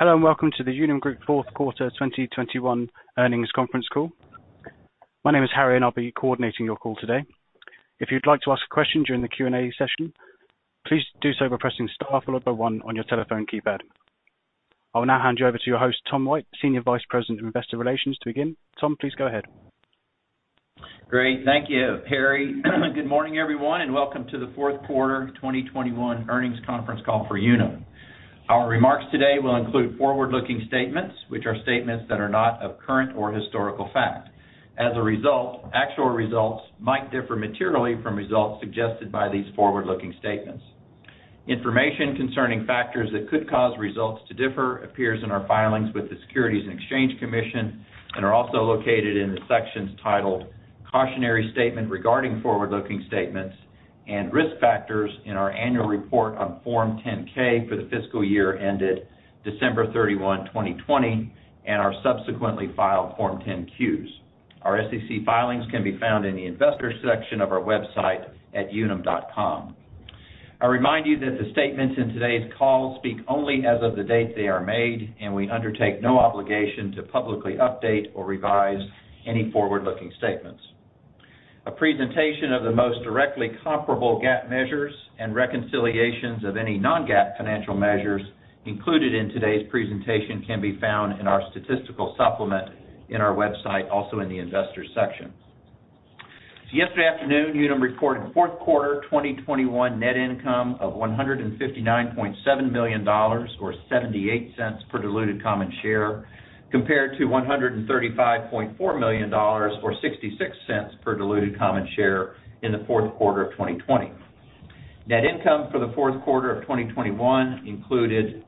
Hello, and welcome to the Unum Group fourth quarter 2021 earnings conference call. My name is Harry, and I'll be coordinating your call today. If you'd like to ask a question during the Q&A session, please do so by pressing star followed by one on your telephone keypad. I will now hand you over to your host, Tom White, Senior Vice President of Investor Relations to begin. Tom, please go ahead. Great. Thank you, Harry. Good morning, everyone, and welcome to the fourth quarter 2021 earnings conference call for Unum. Our remarks today will include forward-looking statements, which are statements that are not of current or historical fact. As a result, actual results might differ materially from results suggested by these forward-looking statements. Information concerning factors that could cause results to differ appears in our filings with the Securities and Exchange Commission and are also located in the sections titled "Cautionary Statement Regarding Forward-looking Statements and Risk Factors" in our annual report on Form 10-K for the fiscal year ended December 31, 2020 and our subsequently filed Form 10-Qs. Our SEC filings can be found in the investor section of our website at unum.com. I remind you that the statements in today's call speak only as of the date they are made, and we undertake no obligation to publicly update or revise any forward-looking statements. A presentation of the most directly comparable GAAP measures and reconciliations of any non-GAAP financial measures included in today's presentation can be found in our statistical supplement in our website, also in the investor section. Yesterday afternoon, Unum reported fourth quarter 2021 net income of $159.7 million or $0.78 per diluted common share, compared to $135.4 million or $0.66 per diluted common share in the fourth quarter of 2020. Net income for the fourth quarter of 2021 included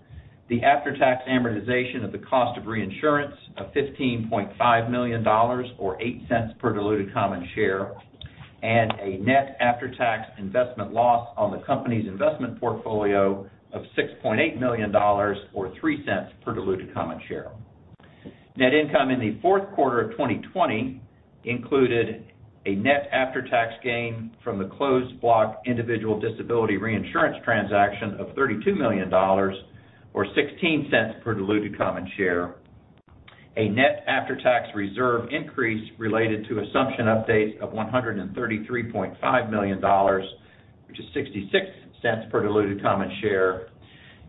the after-tax amortization of the cost of reinsurance of $15.5 million or $0.08 per diluted common share, and a net after-tax investment loss on the company's investment portfolio of $6.8 million or $0.03 per diluted common share. Net income in the fourth quarter of 2020 included a net after-tax gain from the closed block individual disability reinsurance transaction of $32 million or $0.16 per diluted common share. A net after-tax reserve increase related to assumption updates of $133.5 million, which is $0.66 per diluted common share,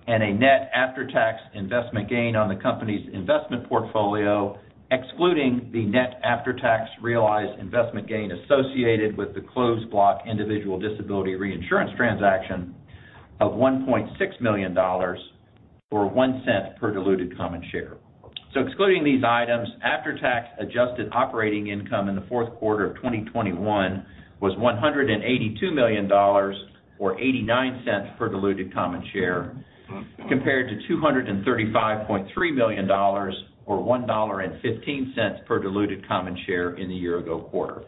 and a net after-tax investment gain on the company's investment portfolio, excluding the net after-tax realized investment gain associated with the closed block individual disability reinsurance transaction of $1.6 million or $0.01 per diluted common share. Excluding these items, after-tax adjusted operating income in the fourth quarter of 2021 was $182 million or $0.89 per diluted common share, compared to $235.3 million or $1.15 per diluted common share in the year ago quarter.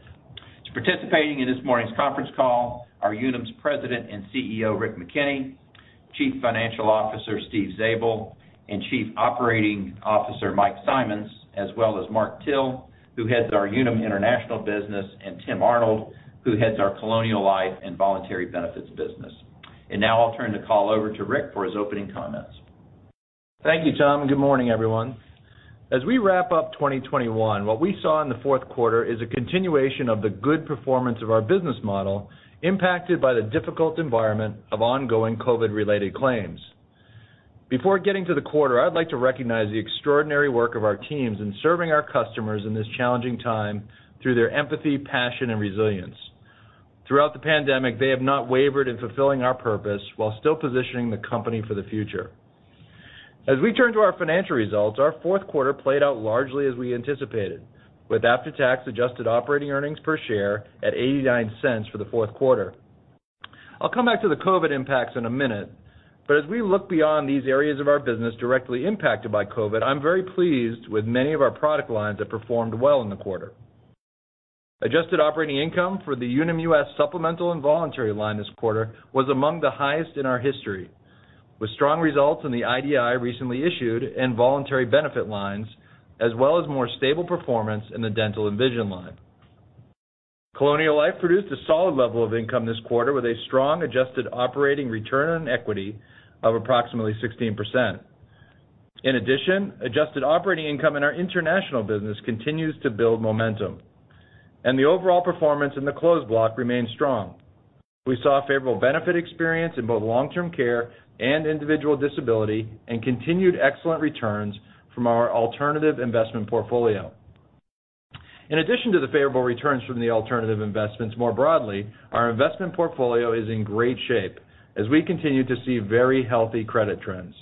Participating in this morning's conference call are Unum's President and CEO, Rick McKenney, Chief Financial Officer, Steve Zabel, and Chief Operating Officer, Mike Simonds, as well as Mark Till, who heads our Unum International business, and Tim Arnold, who heads our Colonial Life and Voluntary Benefits business. Now I'll turn the call over to Rick for his opening comments. Thank you, Tom, and good morning, everyone. As we wrap up 2021, what we saw in the fourth quarter is a continuation of the good performance of our business model, impacted by the difficult environment of ongoing COVID-related claims. Before getting to the quarter, I'd like to recognize the extraordinary work of our teams in serving our customers in this challenging time through their empathy, passion, and resilience. Throughout the pandemic, they have not wavered in fulfilling our purpose while still positioning the company for the future. As we turn to our financial results, our fourth quarter played out largely as we anticipated with after-tax adjusted operating earnings per share at $0.89 for the fourth quarter. I'll come back to the COVID impacts in a minute, but as we look beyond these areas of our business directly impacted by COVID, I'm very pleased with many of our product lines that performed well in the quarter. Adjusted operating income for the Unum US supplemental and voluntary line this quarter was among the highest in our history, with strong results in the IDI recently issued and voluntary benefit lines, as well as more stable performance in the dental and vision line. Colonial Life produced a solid level of income this quarter with a strong adjusted operating return on equity of approximately 16%. In addition, adjusted operating income in our international business continues to build momentum, and the overall performance in the closed block remains strong. We saw a favorable benefit experience in both long-term care and individual disability and continued excellent returns from our alternative investment portfolio. In addition to the favorable returns from the alternative investments more broadly, our investment portfolio is in great shape as we continue to see very healthy credit trends.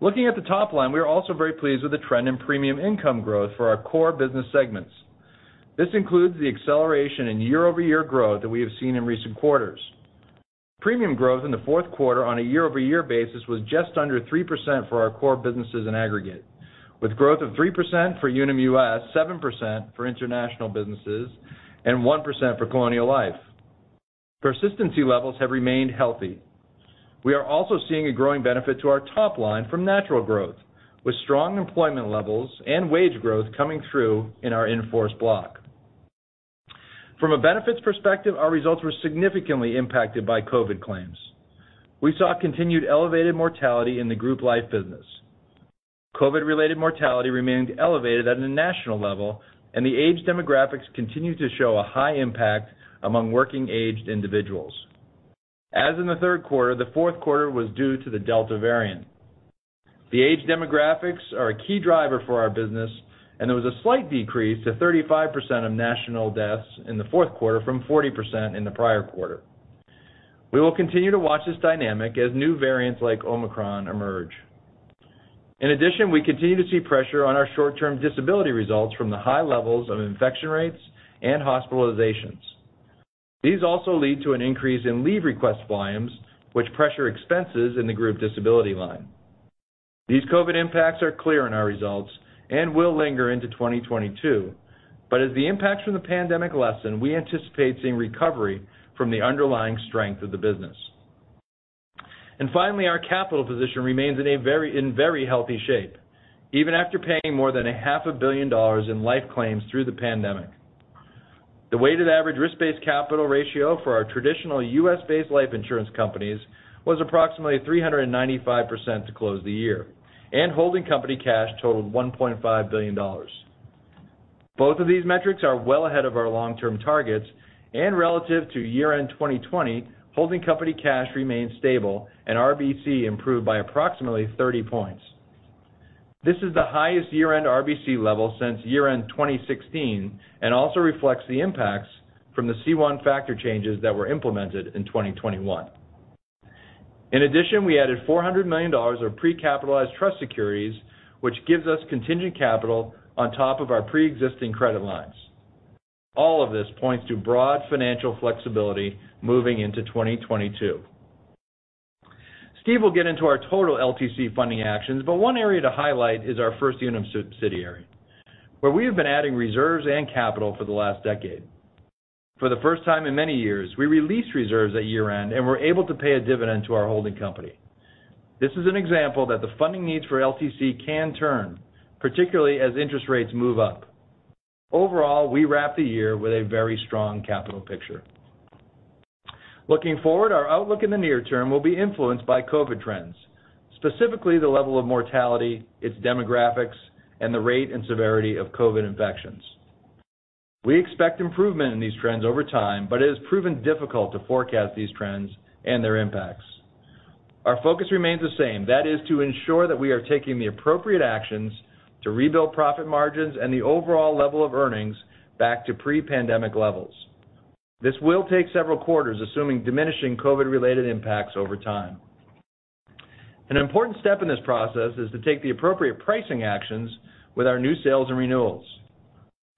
Looking at the top line, we are also very pleased with the trend in premium income growth for our core business segments. This includes the acceleration in year-over-year growth that we have seen in recent quarters. Premium growth in the fourth quarter on a year-over-year basis was just under 3% for our core businesses in aggregate, with growth of 3% for Unum US, 7% for international businesses, and 1% for Colonial Life. Persistency levels have remained healthy. We are also seeing a growing benefit to our top line from natural growth, with strong employment levels and wage growth coming through in our in-force block. From a benefits perspective, our results were significantly impacted by COVID claims. We saw continued elevated mortality in the group life business. COVID-related mortality remained elevated at a national level, and the age demographics continued to show a high impact among working-aged individuals. As in the third quarter, the fourth quarter was due to the Delta variant. The age demographics are a key driver for our business, and there was a slight decrease to 35% of national deaths in the fourth quarter from 40% in the prior quarter. We will continue to watch this dynamic as new variants like Omicron emerge. In addition, we continue to see pressure on our short-term disability results from the high levels of infection rates and hospitalizations. These also lead to an increase in leave request volumes, which pressure expenses in the group disability line. These COVID impacts are clear in our results and will linger into 2022. As the impacts from the pandemic lessen, we anticipate seeing recovery from the underlying strength of the business. Finally, our capital position remains in a very healthy shape, even after paying more than half a billion dollars in life claims through the pandemic. The weighted average risk-based capital ratio for our traditional U.S.-based life insurance companies was approximately 395% to close the year, and holding company cash totaled $1.5 billion. Both of these metrics are well ahead of our long-term targets, and relative to year-end 2020, holding company cash remained stable and RBC improved by approximately 30 points. This is the highest year-end RBC level since year-end 2016 and also reflects the impacts from the C1 factor changes that were implemented in 2021. In addition, we added $400 million of pre-capitalized trust securities, which gives us contingent capital on top of our preexisting credit lines. All of this points to broad financial flexibility moving into 2022. Steve will get into our total LTC funding actions, but one area to highlight is our First Unum subsidiary, where we have been adding reserves and capital for the last decade. For the first time in many years, we released reserves at year-end and were able to pay a dividend to our holding company. This is an example that the funding needs for LTC can turn, particularly as interest rates move up. Overall, we wrap the year with a very strong capital picture. Looking forward, our outlook in the near term will be influenced by COVID trends, specifically the level of mortality, its demographics, and the rate and severity of COVID infections. We expect improvement in these trends over time, but it has proven difficult to forecast these trends and their impacts. Our focus remains the same, that is to ensure that we are taking the appropriate actions to rebuild profit margins and the overall level of earnings back to pre-pandemic levels. This will take several quarters, assuming diminishing COVID-related impacts over time. An important step in this process is to take the appropriate pricing actions with our new sales and renewals.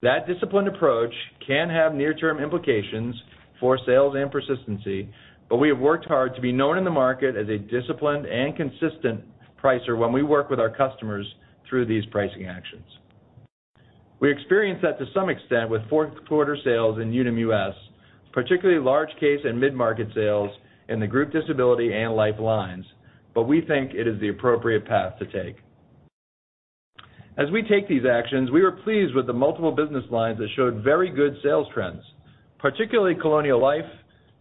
That disciplined approach can have near-term implications for sales and persistency, but we have worked hard to be known in the market as a disciplined and consistent pricer when we work with our customers through these pricing actions. We experienced that to some extent with fourth quarter sales in Unum US, particularly large case and mid-market sales in the group disability and life lines, but we think it is the appropriate path to take. As we take these actions, we were pleased with the multiple business lines that showed very good sales trends, particularly Colonial Life,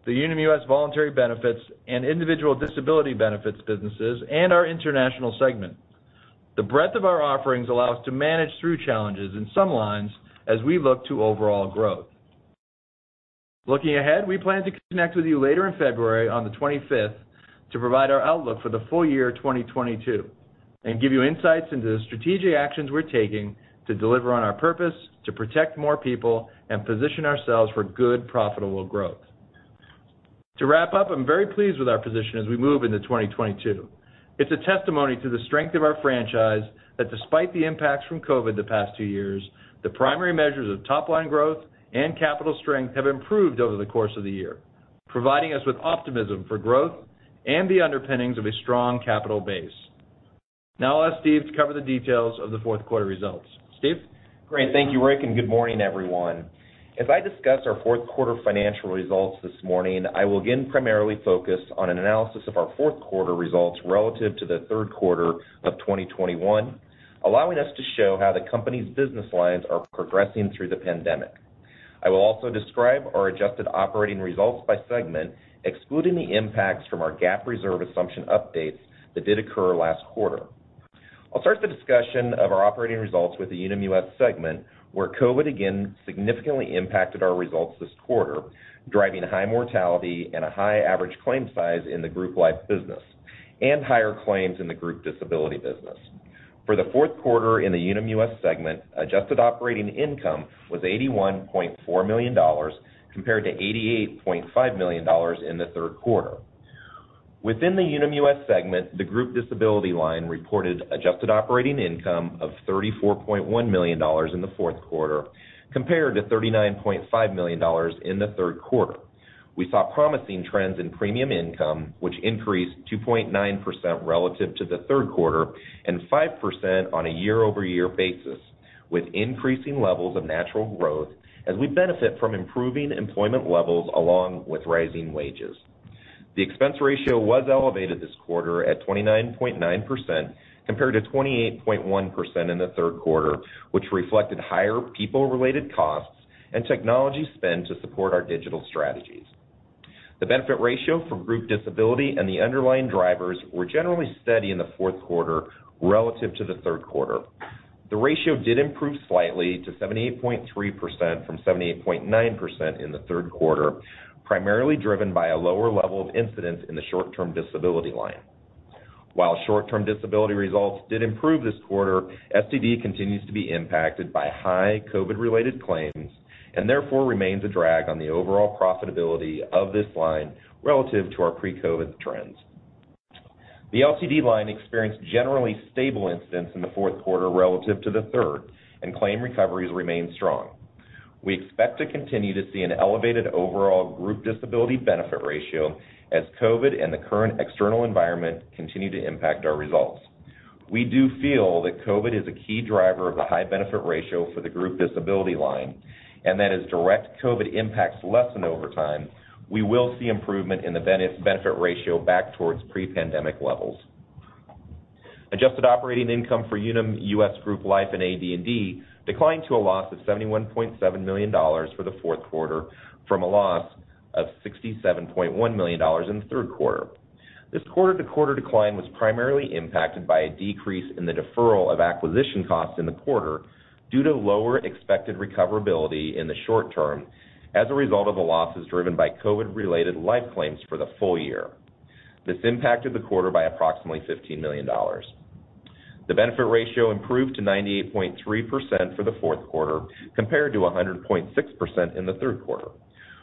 the Unum US Voluntary Benefits and Individual Disability Benefits businesses, and our International segment. The breadth of our offerings allow us to manage through challenges in some lines as we look to overall growth. Looking ahead, we plan to connect with you later in February on the 25th to provide our outlook for the full year 2022 and give you insights into the strategic actions we're taking to deliver on our purpose to protect more people and position ourselves for good, profitable growth. To wrap up, I'm very pleased with our position as we move into 2022. It's a testimony to the strength of our franchise that despite the impacts from COVID the past two years, the primary measures of top line growth and capital strength have improved over the course of the year, providing us with optimism for growth and the underpinnings of a strong capital base. Now I'll ask Steve to cover the details of the fourth quarter results. Steve? Great. Thank you, Rick, and good morning, everyone. As I discuss our fourth quarter financial results this morning, I will again primarily focus on an analysis of our fourth quarter results relative to the third quarter of 2021, allowing us to show how the company's business lines are progressing through the pandemic. I will also describe our adjusted operating results by segment, excluding the impacts from our GAAP reserve assumption updates that did occur last quarter. I'll start the discussion of our operating results with the Unum US segment, where COVID again significantly impacted our results this quarter, driving high mortality and a high average claim size in the group life business and higher claims in the group disability business. For the fourth quarter in the Unum US segment, adjusted operating income was $81.4 million, compared to $88.5 million in the third quarter. Within the Unum US segment, the group disability line reported adjusted operating income of $34.1 million in the fourth quarter, compared to $39.5 million in the third quarter. We saw promising trends in premium income, which increased 2.9% relative to the third quarter and 5% on a year-over-year basis, with increasing levels of natural growth as we benefit from improving employment levels along with rising wages. The expense ratio was elevated this quarter at 29.9% compared to 28.1% in the third quarter, which reflected higher people-related costs and technology spend to support our digital strategies. The benefit ratio for group disability and the underlying drivers were generally steady in the fourth quarter relative to the third quarter. The ratio did improve slightly to 78.3% from 78.9% in the third quarter, primarily driven by a lower level of incidence in the short-term disability line. While short-term disability results did improve this quarter, STD continues to be impacted by high COVID-related claims, and therefore remains a drag on the overall profitability of this line relative to our pre-COVID trends. The LTD line experienced generally stable incidents in the fourth quarter relative to the third, and claim recoveries remained strong. We expect to continue to see an elevated overall group disability benefit ratio as COVID and the current external environment continue to impact our results. We do feel that COVID is a key driver of the high benefit ratio for the group disability line, and that as direct COVID impacts lessen over time, we will see improvement in the benefit ratio back towards pre-pandemic levels. Adjusted operating income for Unum US Group Life and AD&D declined to a loss of $71.7 million for the fourth quarter from a loss of $67.1 million in the third quarter. This quarter-to-quarter decline was primarily impacted by a decrease in the deferral of acquisition costs in the quarter due to lower expected recoverability in the short term as a result of the losses driven by COVID-related life claims for the full year. This impacted the quarter by approximately $15 million. The benefit ratio improved to 98.3% for the fourth quarter compared to 100.6% in the third quarter.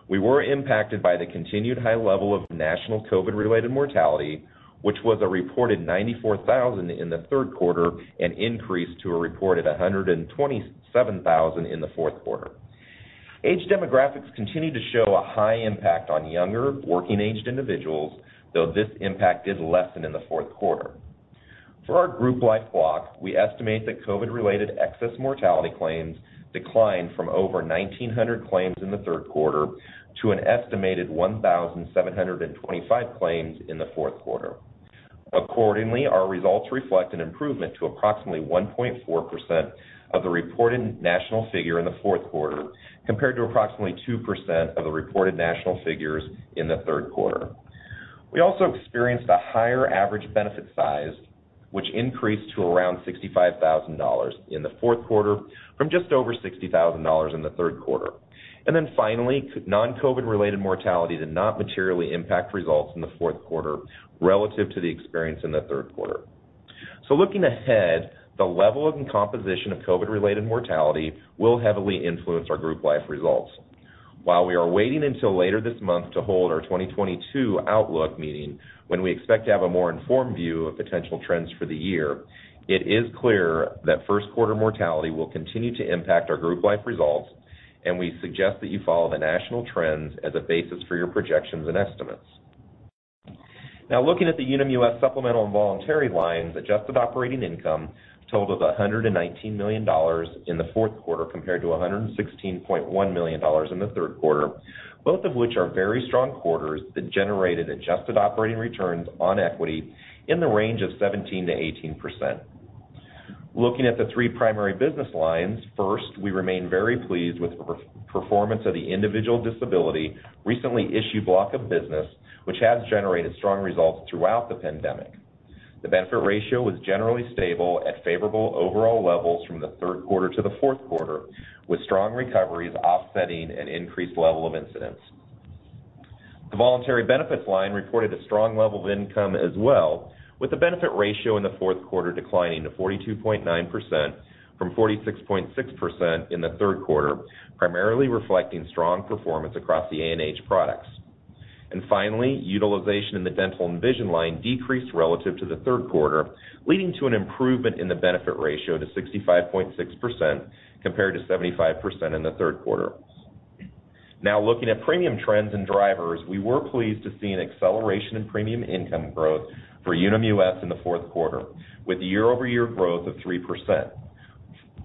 We were impacted by the continued high level of national COVID-related mortality, which was a reported 94,000 in the third quarter and increased to a reported 127,000 in the fourth quarter. Age demographics continued to show a high impact on younger working aged individuals, though this impact did lessen in the fourth quarter. For our Group Life block, we estimate that COVID-related excess mortality claims declined from over 1,900 claims in the third quarter to an estimated 1,725 claims in the fourth quarter. Accordingly, our results reflect an improvement to approximately 1.4% of the reported national figure in the fourth quarter, compared to approximately 2% of the reported national figures in the third quarter. We also experienced a higher average benefit size, which increased to around $65,000 in the fourth quarter from just over $60,000 in the third quarter. Finally, non-COVID-related mortality did not materially impact results in the fourth quarter relative to the experience in the third quarter. Looking ahead, the level and composition of COVID-related mortality will heavily influence our Group Life results. While we are waiting until later this month to hold our 2022 outlook meeting when we expect to have a more informed view of potential trends for the year, it is clear that first quarter mortality will continue to impact our Group Life results, and we suggest that you follow the national trends as a basis for your projections and estimates. Now looking at the Unum US supplemental and voluntary lines, adjusted operating income totaled $119 million in the fourth quarter compared to $116.1 million in the third quarter, both of which are very strong quarters that generated adjusted operating returns on equity in the range of 17%-18%. Looking at the three primary business lines, first, we remain very pleased with the performance of the individual disability recently issued block of business, which has generated strong results throughout the pandemic. The benefit ratio was generally stable at favorable overall levels from the third quarter to the fourth quarter, with strong recoveries offsetting an increased level of incidents. The voluntary benefits line reported a strong level of income as well, with the benefit ratio in the fourth quarter declining to 42.9% from 46.6% in the third quarter, primarily reflecting strong performance across the A&H products. Finally, utilization in the dental and vision line decreased relative to the third quarter, leading to an improvement in the benefit ratio to 65.6% compared to 75% in the third quarter. Now looking at premium trends and drivers, we were pleased to see an acceleration in premium income growth for Unum US in the fourth quarter with a year-over-year growth of 3%.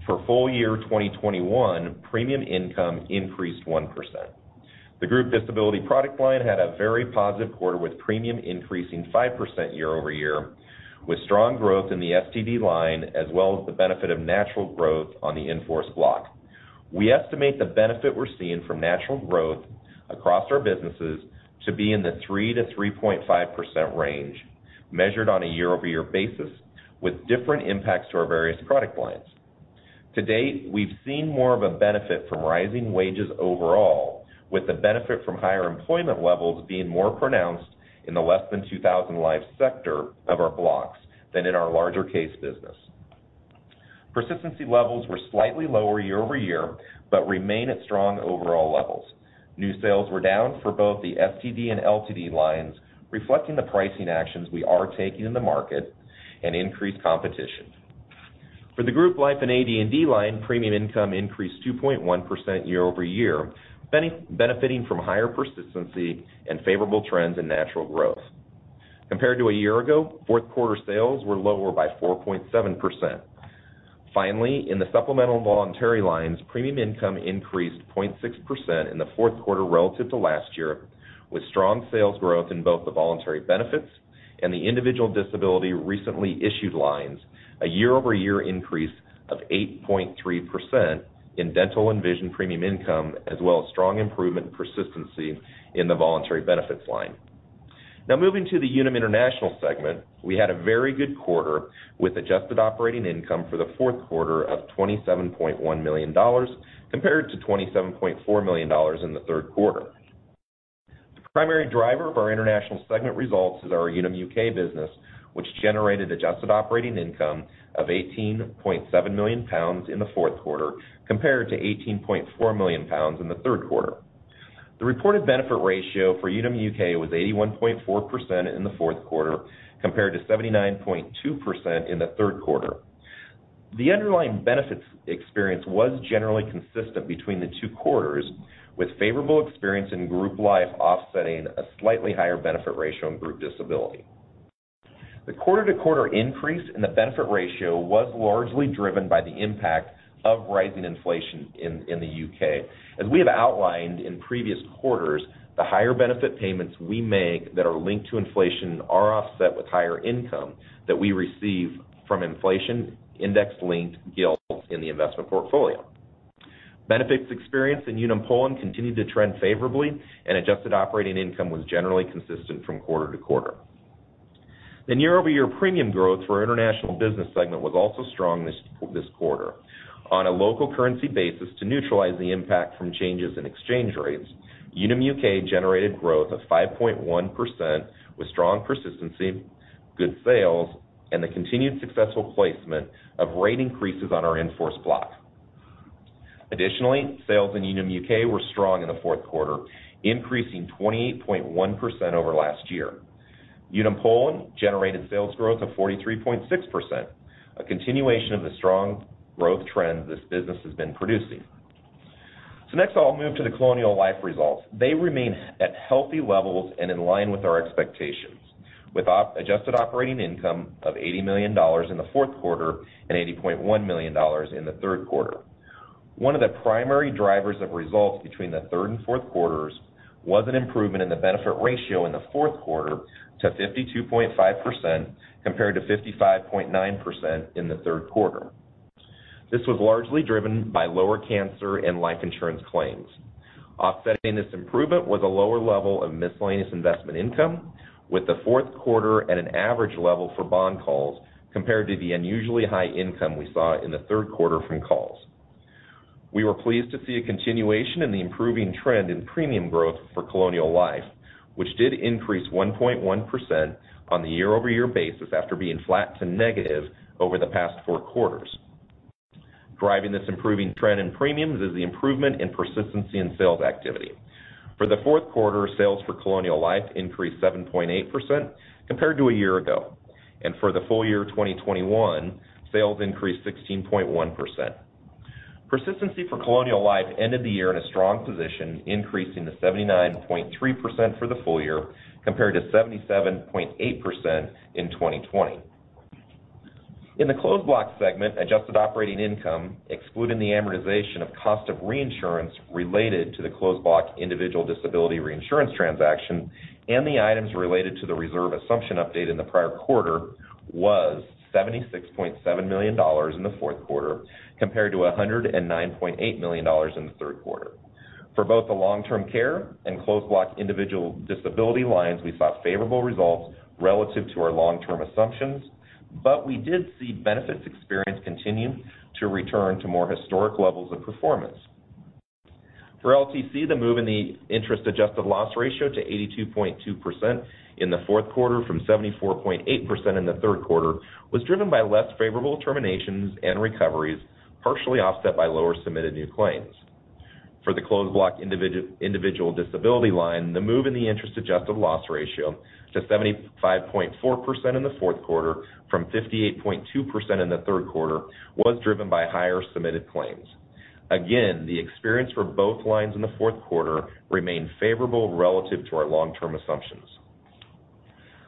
For full year 2021, premium income increased 1%. The group disability product line had a very positive quarter with premium increasing 5% year over year, with strong growth in the STD line, as well as the benefit of natural growth on the in-force block. We estimate the benefit we're seeing from natural growth across our businesses to be in the 3%-3.5% range, measured on a year-over-year basis, with different impacts to our various product lines. To date, we've seen more of a benefit from rising wages overall, with the benefit from higher employment levels being more pronounced in the less than 2,000 life sector of our blocks than in our larger case business. Persistency levels were slightly lower year-over-year, but remain at strong overall levels. New sales were down for both the STD and LTD lines, reflecting the pricing actions we are taking in the market and increased competition. For the Group Life and AD&D line, premium income increased 2.1% year-over-year, benefiting from higher persistency and favorable trends in natural growth. Compared to a year ago, fourth quarter sales were lower by 4.7%. Finally, in the supplemental voluntary lines, premium income increased 0.6% in the fourth quarter relative to last year, with strong sales growth in both the voluntary benefits and the individual disability recently issued lines, a year-over-year increase of 8.3% in dental and vision premium income, as well as strong improvement persistency in the voluntary benefits line. Now moving to the Unum International segment, we had a very good quarter with adjusted operating income for the fourth quarter of $27.1 million compared to $27.4 million in the third quarter. The primary driver of our international segment results is our Unum U.K. business, which generated adjusted operating income of 18.7 million pounds in the fourth quarter compared to 18.4 million pounds in the third quarter. The reported benefit ratio for Unum UK was 81.4% in the fourth quarter compared to 79.2% in the third quarter. The underlying benefits experience was generally consistent between the two quarters, with favorable experience in group life offsetting a slightly higher benefit ratio in group disability. The quarter-to-quarter increase in the benefit ratio was largely driven by the impact of rising inflation in the U.K. As we have outlined in previous quarters, the higher benefit payments we make that are linked to inflation are offset with higher income that we receive from inflation index linked gilts in the investment portfolio. Benefits experience in Unum Poland continued to trend favorably, and adjusted operating income was generally consistent from quarter to quarter. The year-over-year premium growth for our international business segment was also strong this quarter. On a local currency basis to neutralize the impact from changes in exchange rates, Unum UK generated growth of 5.1% with strong persistency, good sales, and the continued successful placement of rate increases on our in-force block. Additionally, sales in Unum UK were strong in the fourth quarter, increasing 28.1% over last year. Unum Poland generated sales growth of 43.6%, a continuation of the strong growth trend this business has been producing. Next, I'll move to the Colonial Life results. They remain at healthy levels and in line with our expectations, with adjusted operating income of $80 million in the fourth quarter and $80.1 million in the third quarter. One of the primary drivers of results between the third and fourth quarters was an improvement in the benefit ratio in the fourth quarter to 52.5% compared to 55.9% in the third quarter. This was largely driven by lower cancer and life insurance claims. Offsetting this improvement was a lower level of miscellaneous investment income with the fourth quarter at an average level for bond calls compared to the unusually high income we saw in the third quarter from calls. We were pleased to see a continuation in the improving trend in premium growth for Colonial Life, which did increase 1.1% on the year-over-year basis after being flat to negative over the past four quarters. Driving this improving trend in premiums is the improvement in persistency in sales activity. For the fourth quarter, sales for Colonial Life increased 7.8% compared to a year ago. For the full year 2021, sales increased 16.1%. Persistency for Colonial Life ended the year in a strong position, increasing to 79.3% for the full year compared to 77.8% in 2020. In the Closed Block segment, adjusted operating income, excluding the amortization of cost of reinsurance related to the Closed Block individual disability reinsurance transaction and the items related to the reserve assumption update in the prior quarter, was $76.7 million in the fourth quarter compared to $109.8 million in the third quarter. For both the long-term care and Closed Block individual disability lines, we saw favorable results relative to our long-term assumptions, but we did see benefits experience continue to return to more historic levels of performance. For LTC, the move in the interest-adjusted loss ratio to 82.2% in the fourth quarter from 74.8% in the third quarter was driven by less favorable terminations and recoveries, partially offset by lower submitted new claims. For the Closed Block individual disability line, the move in the interest-adjusted loss ratio to 75.4% in the fourth quarter from 58.2% in the third quarter was driven by higher submitted claims. Again, the experience for both lines in the fourth quarter remained favorable relative to our long-term assumptions.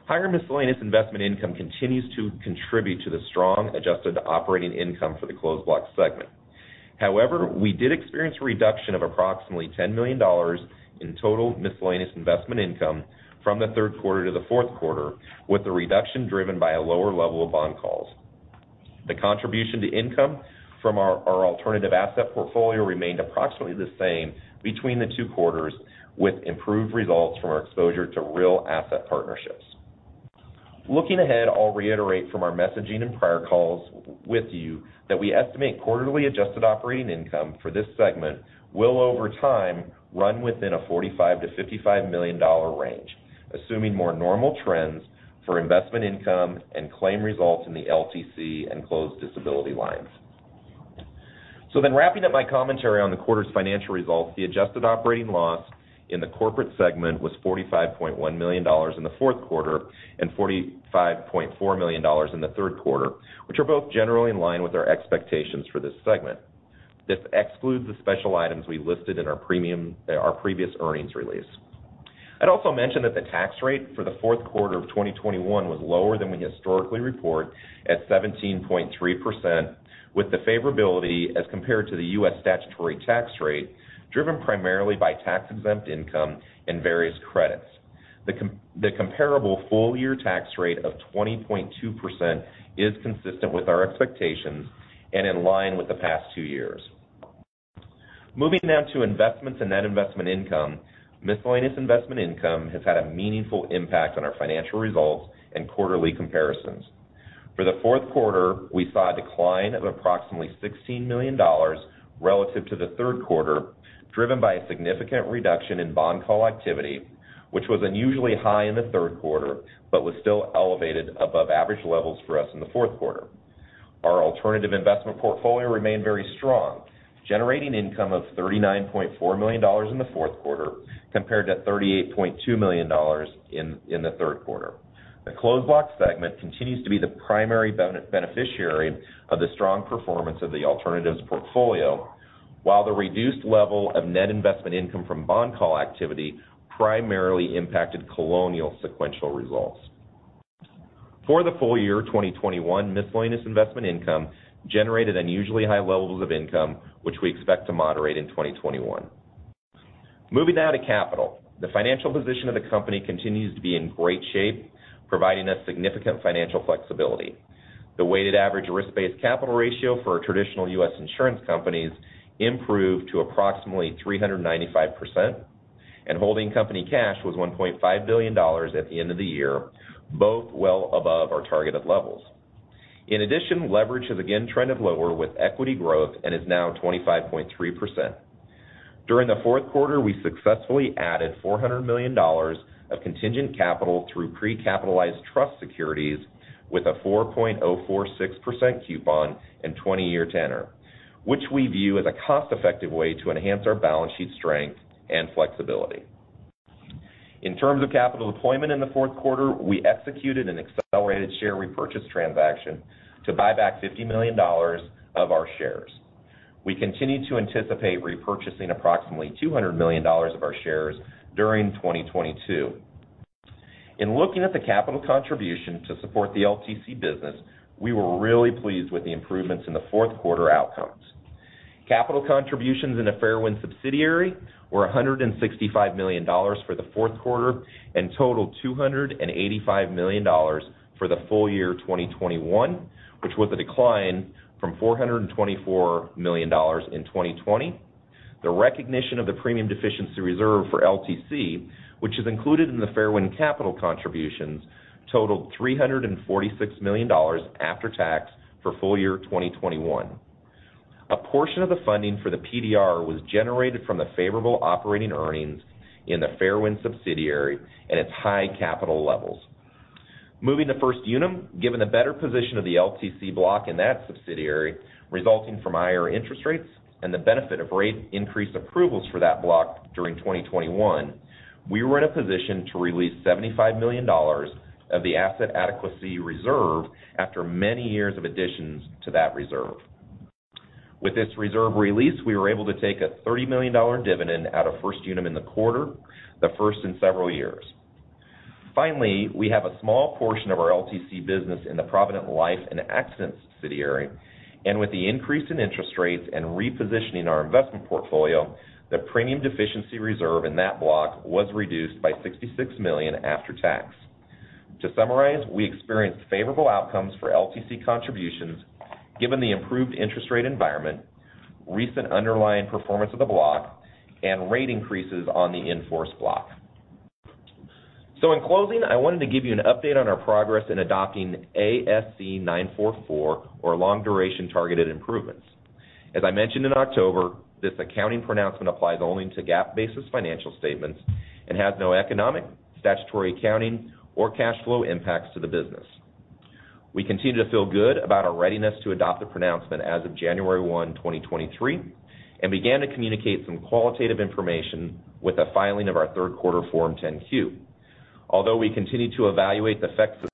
Higher miscellaneous investment income continues to contribute to the strong adjusted operating income for the Closed Block segment. However, we did experience a reduction of approximately $10 million in total miscellaneous investment income from the third quarter to the fourth quarter, with the reduction driven by a lower level of bond calls. The contribution to income from our alternative asset portfolio remained approximately the same between the two quarters, with improved results from our exposure to real asset partnerships. Looking ahead, I'll reiterate from our messaging in prior calls with you that we estimate quarterly adjusted operating income for this segment will, over time, run within a $45 million-$55 million range, assuming more normal trends for investment income and claim results in the LTC and closed disability lines. Wrapping up my commentary on the quarter's financial results, the adjusted operating loss in the corporate segment was $45.1 million in the fourth quarter and $45.4 million in the third quarter, which are both generally in line with our expectations for this segment. This excludes the special items we listed in our previous earnings release. I'd also mention that the tax rate for the fourth quarter of 2021 was lower than we historically report at 17.3%, with the favorability as compared to the U.S. statutory tax rate, driven primarily by tax-exempt income and various credits. The comparable full-year tax rate of 20.2% is consistent with our expectations and in line with the past two years. Moving now to investments and net investment income, miscellaneous investment income has had a meaningful impact on our financial results and quarterly comparisons. For the fourth quarter, we saw a decline of approximately $16 million relative to the third quarter, driven by a significant reduction in bond call activity, which was unusually high in the third quarter, but was still elevated above average levels for us in the fourth quarter. Our alternative investment portfolio remained very strong, generating income of $39.4 million in the fourth quarter compared to $38.2 million in the third quarter. The Closed Block segment continues to be the primary beneficiary of the strong performance of the alternatives portfolio, while the reduced level of net investment income from bond call activity primarily impacted Colonial sequential results. For the full year 2021, miscellaneous investment income generated unusually high levels of income, which we expect to moderate in 2021. Moving now to capital. The financial position of the company continues to be in great shape, providing us significant financial flexibility. The weighted average risk-based capital ratio for our traditional U.S. insurance companies improved to approximately 395%, and holding company cash was $1.5 billion at the end of the year, both well above our targeted levels. In addition, leverage has again trended lower with equity growth and is now 25.3%. During the fourth quarter, we successfully added $400 million of contingent capital through pre-capitalized trust securities with a 4.046% coupon and 20-year tenor, which we view as a cost-effective way to enhance our balance sheet strength and flexibility. In terms of capital deployment in the fourth quarter, we executed an accelerated share repurchase transaction to buy back $50 million of our shares. We continue to anticipate repurchasing approximately $200 million of our shares during 2022. In looking at the capital contribution to support the LTC business, we were really pleased with the improvements in the fourth quarter outcomes. Capital contributions in the Fairwind subsidiary were $165 million for the fourth quarter and totaled $285 million for the full year 2021, which was a decline from $424 million in 2020. The recognition of the premium deficiency reserve for LTC, which is included in the Fairwind capital contributions, totaled $346 million after tax for full year 2021. A portion of the funding for the PDR was generated from the favorable operating earnings in the Fairwind subsidiary at its high capital levels. Moving to First Unum, given the better position of the LTC block in that subsidiary, resulting from higher interest rates and the benefit of rate increase approvals for that block during 2021, we were in a position to release $75 million of the asset adequacy reserve after many years of additions to that reserve. With this reserve release, we were able to take a $30 million dollar dividend out of First Unum in the quarter, the first in several years. Finally, we have a small portion of our LTC business in the Provident Life & Accident subsidiary, and with the increase in interest rates and repositioning our investment portfolio, the premium deficiency reserve in that block was reduced by $66 million after tax. To summarize, we experienced favorable outcomes for LTC contributions given the improved interest rate environment, recent underlying performance of the block, and rate increases on the in-force block. In closing, I wanted to give you an update on our progress in adopting ASC 944, or long duration targeted improvements. As I mentioned in October, this accounting pronouncement applies only to GAAP-basis financial statements and has no economic, statutory accounting, or cash flow impacts to the business. We continue to feel good about our readiness to adopt the pronouncement as of January 1, 2023, and began to communicate some qualitative information with the filing of our third quarter Form 10-Q. Although we continue to evaluate the effects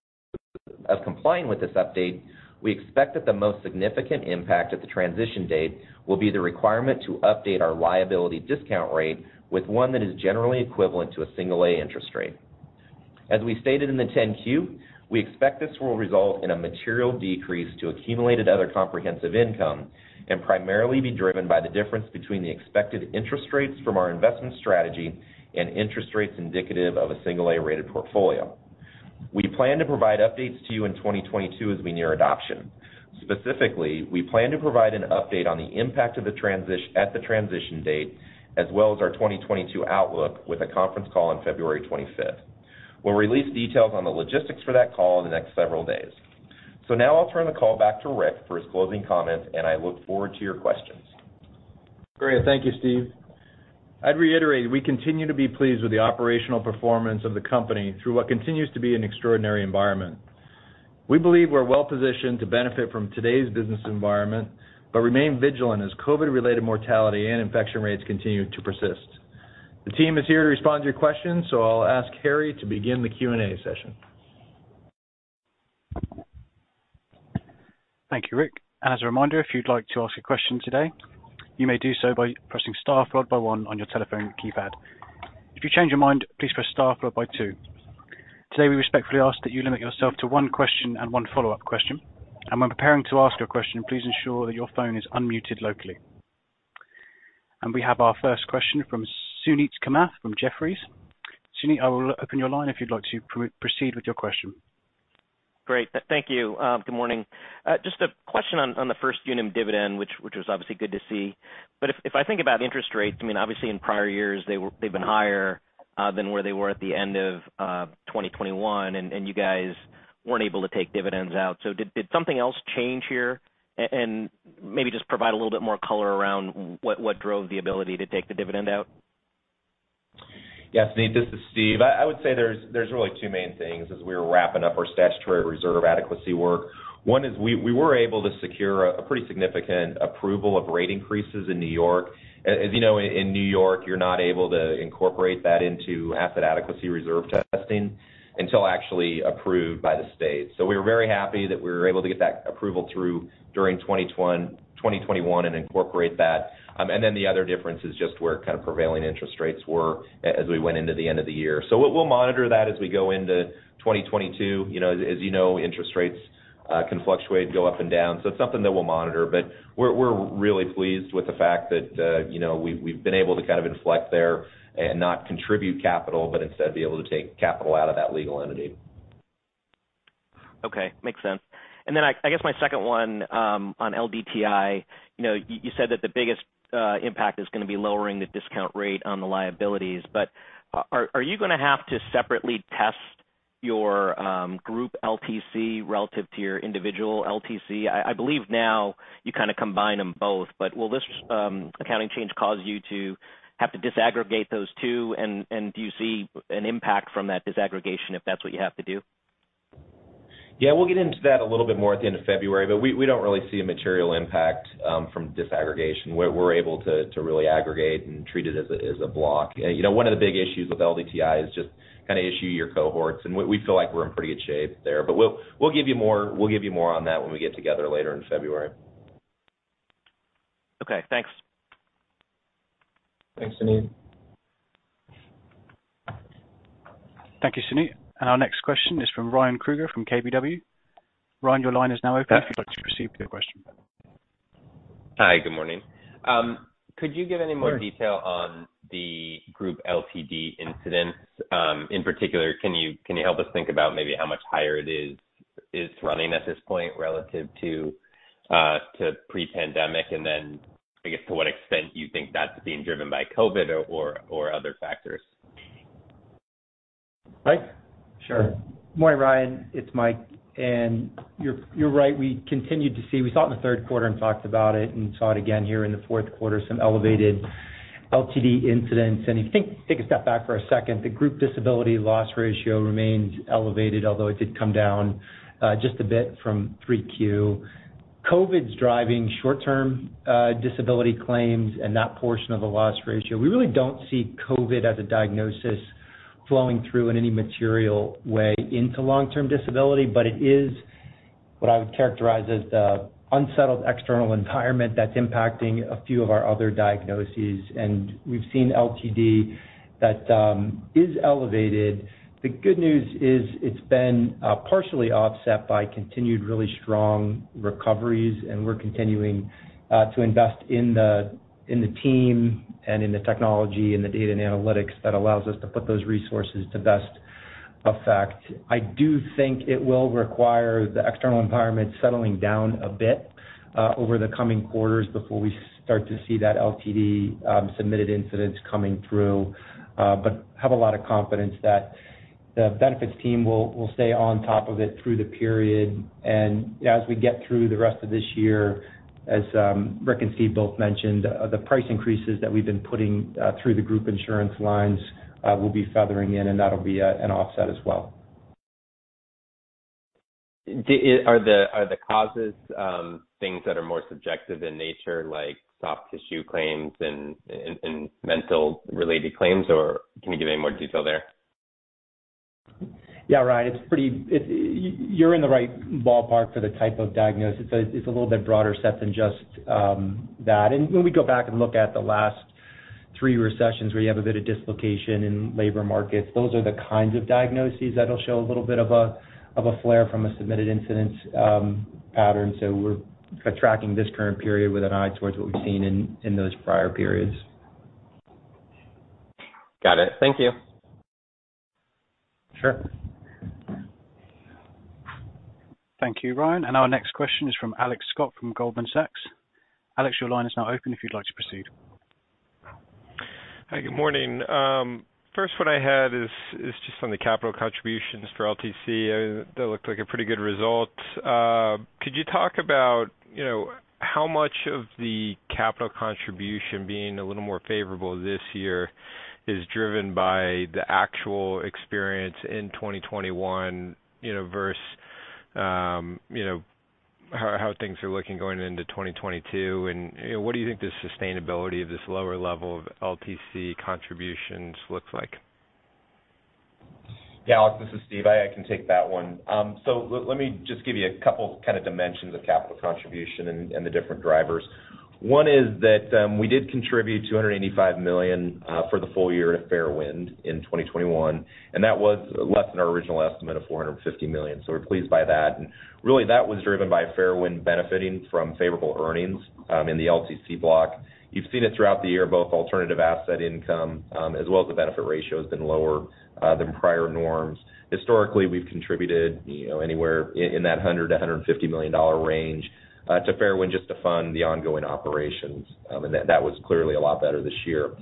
of complying with this update, we expect that the most significant impact at the transition date will be the requirement to update our liability discount rate with one that is generally equivalent to a single-A interest rate. As we stated in the 10-Q, we expect this will result in a material decrease to accumulated other comprehensive income, and primarily be driven by the difference between the expected interest rates from our investment strategy and interest rates indicative of a single-A-rated portfolio. We plan to provide updates to you in 2022 as we near adoption. Specifically, we plan to provide an update on the impact at the transition date, as well as our 2022 outlook with a conference call on February 25. We'll release details on the logistics for that call in the next several days. Now I'll turn the call back to Rick for his closing comments, and I look forward to your questions. Great. Thank you, Steve. I'd reiterate we continue to be pleased with the operational performance of the company through what continues to be an extraordinary environment. We believe we're well positioned to benefit from today's business environment, but remain vigilant as COVID-related mortality and infection rates continue to persist. The team is here to respond to your questions, so I'll ask Harry to begin the Q&A session. Thank you, Rick. As a reminder, if you'd like to ask a question today, you may do so by pressing star followed by one on your telephone keypad. If you change your mind, please press star followed by two. Today, we respectfully ask that you limit yourself to one question and one follow-up question. When preparing to ask your question, please ensure that your phone is unmuted locally. We have our first question from Suneet Kamath from Jefferies. Suneet, I will open your line if you'd like to proceed with your question. Great. Thank you. Good morning. Just a question on the First Unum dividend, which was obviously good to see. If I think about interest rates, I mean, obviously in prior years, they've been higher than where they were at the end of 2021, and you guys weren't able to take dividends out. Did something else change here? Maybe just provide a little bit more color around what drove the ability to take the dividend out. Yeah, Suneet, this is Steve. I would say there's really two main things as we were wrapping up our statutory reserve adequacy work. One is we were able to secure a pretty significant approval of rate increases in New York. As you know, in New York, you're not able to incorporate that into asset adequacy reserve testing until actually approved by the state. We were very happy that we were able to get that approval through during 2021 and incorporate that. The other difference is just where kind of prevailing interest rates were as we went into the end of the year. We'll monitor that as we go into 2022. You know, as you know, interest rates can fluctuate, go up and down. It's something that we'll monitor, but we're really pleased with the fact that, you know, we've been able to kind of inflect there and not contribute capital, but instead be able to take capital out of that legal entity. Okay. Makes sense. Then I guess my second one on LDTI, you know, you said that the biggest impact is gonna be lowering the discount rate on the liabilities. Are you gonna have to separately test your group LTC relative to your individual LTC? I believe now you kind of combine them both, but will this accounting change cause you to have to disaggregate those two and do you see an impact from that disaggregation if that's what you have to do? Yeah, we'll get into that a little bit more at the end of February, but we don't really see a material impact from disaggregation. We're able to really aggregate and treat it as a block. You know, one of the big issues with LDTI is just kind of issuing cohorts, and we feel like we're in pretty good shape there. But we'll give you more on that when we get together later in February. Okay, thanks. Thanks, Suneet. Thank you, Suneet. Our next question is from Ryan Krueger from KBW. Ryan, your line is now open if you'd like to proceed with your question. Hi, good morning. Could you give any more detail on the group LTD incidence? In particular, can you help us think about maybe how much higher it is running at this point relative to pre-pandemic? I guess, to what extent do you think that's being driven by COVID or other factors? Mike? Sure. Morning, Ryan. It's Mike. You're right. We continued to see, we saw it in the third quarter and talked about it and saw it again here in the fourth quarter, some elevated LTD incidence. If you think, take a step back for a second, the group disability loss ratio remains elevated, although it did come down just a bit from 3Q. COVID's driving short-term disability claims and that portion of the loss ratio. We really don't see COVID as a diagnosis flowing through in any material way into long-term disability, but it is what I would characterize as the unsettled external environment that's impacting a few of our other diagnoses. We've seen LTD that is elevated. The good news is it's been partially offset by continued really strong recoveries, and we're continuing to invest in the team and in the technology and the data and analytics that allows us to put those resources to best effect. I do think it will require the external environment settling down a bit over the coming quarters before we start to see that LTD submitted incidents coming through. I have a lot of confidence that the benefits team will stay on top of it through the period. As we get through the rest of this year, as Rick and Steve both mentioned, the price increases that we've been putting through the group insurance lines will be feathering in, and that'll be an offset as well. Are the causes, things that are more subjective in nature, like soft tissue claims and mental related claims, or can you give any more detail there? Yeah, Ryan. You're in the right ballpark for the type of diagnosis. It's a little bit broader set than just that. When we go back and look at the last three recessions where you have a bit of dislocation in labor markets, those are the kinds of diagnoses that'll show a little bit of a flare from a submitted incidence pattern. We're kind of tracking this current period with an eye towards what we've seen in those prior periods. Got it. Thank you. Sure. Thank you, Ryan. Our next question is from Alex Scott from Goldman Sachs. Alex, your line is now open if you'd like to proceed. Hi, good morning. First, what I had is just on the capital contributions for LTC. That looked like a pretty good result. Could you talk about, you know, how much of the capital contribution being a little more favorable this year is driven by the actual experience in 2021, you know, versus, you know, how things are looking going into 2022, and, you know, what do you think the sustainability of this lower level of LTC contributions looks like? Yeah, Alex, this is Steve. I can take that one. Let me just give you a couple kind of dimensions of capital contribution and the different drivers. One is that, we did contribute $285 million for the full year at Fairwind in 2021, and that was less than our original estimate of $450 million. We're pleased by that. Really, that was driven by Fairwind benefiting from favorable earnings in the LTC block. You've seen it throughout the year, both alternative asset income as well as the benefit ratio has been lower than prior norms. Historically, we've contributed, you know, anywhere in that $100 million-$150 million range to Fairwind just to fund the ongoing operations. That was clearly a lot better this year.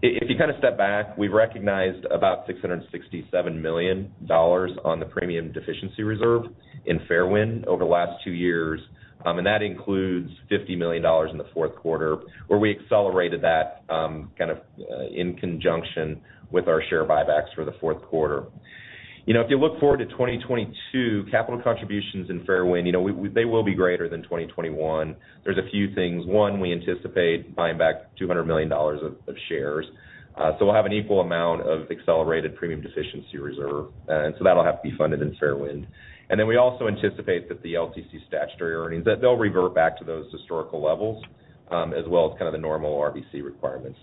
If you kind of step back, we've recognized about $667 million on the premium deficiency reserve in Fairwind over the last two years. That includes $50 million in the fourth quarter, where we accelerated that, kind of, in conjunction with our share buybacks for the fourth quarter. You know, if you look forward to 2022, capital contributions in Fairwind, you know, they will be greater than 2021. There's a few things. One, we anticipate buying back $200 million of shares. We'll have an equal amount of accelerated premium deficiency reserve. That'll have to be funded in Fairwind. We also anticipate that the LTC statutory earnings, that they'll revert back to those historical levels, as well as kind of the normal RBC requirements.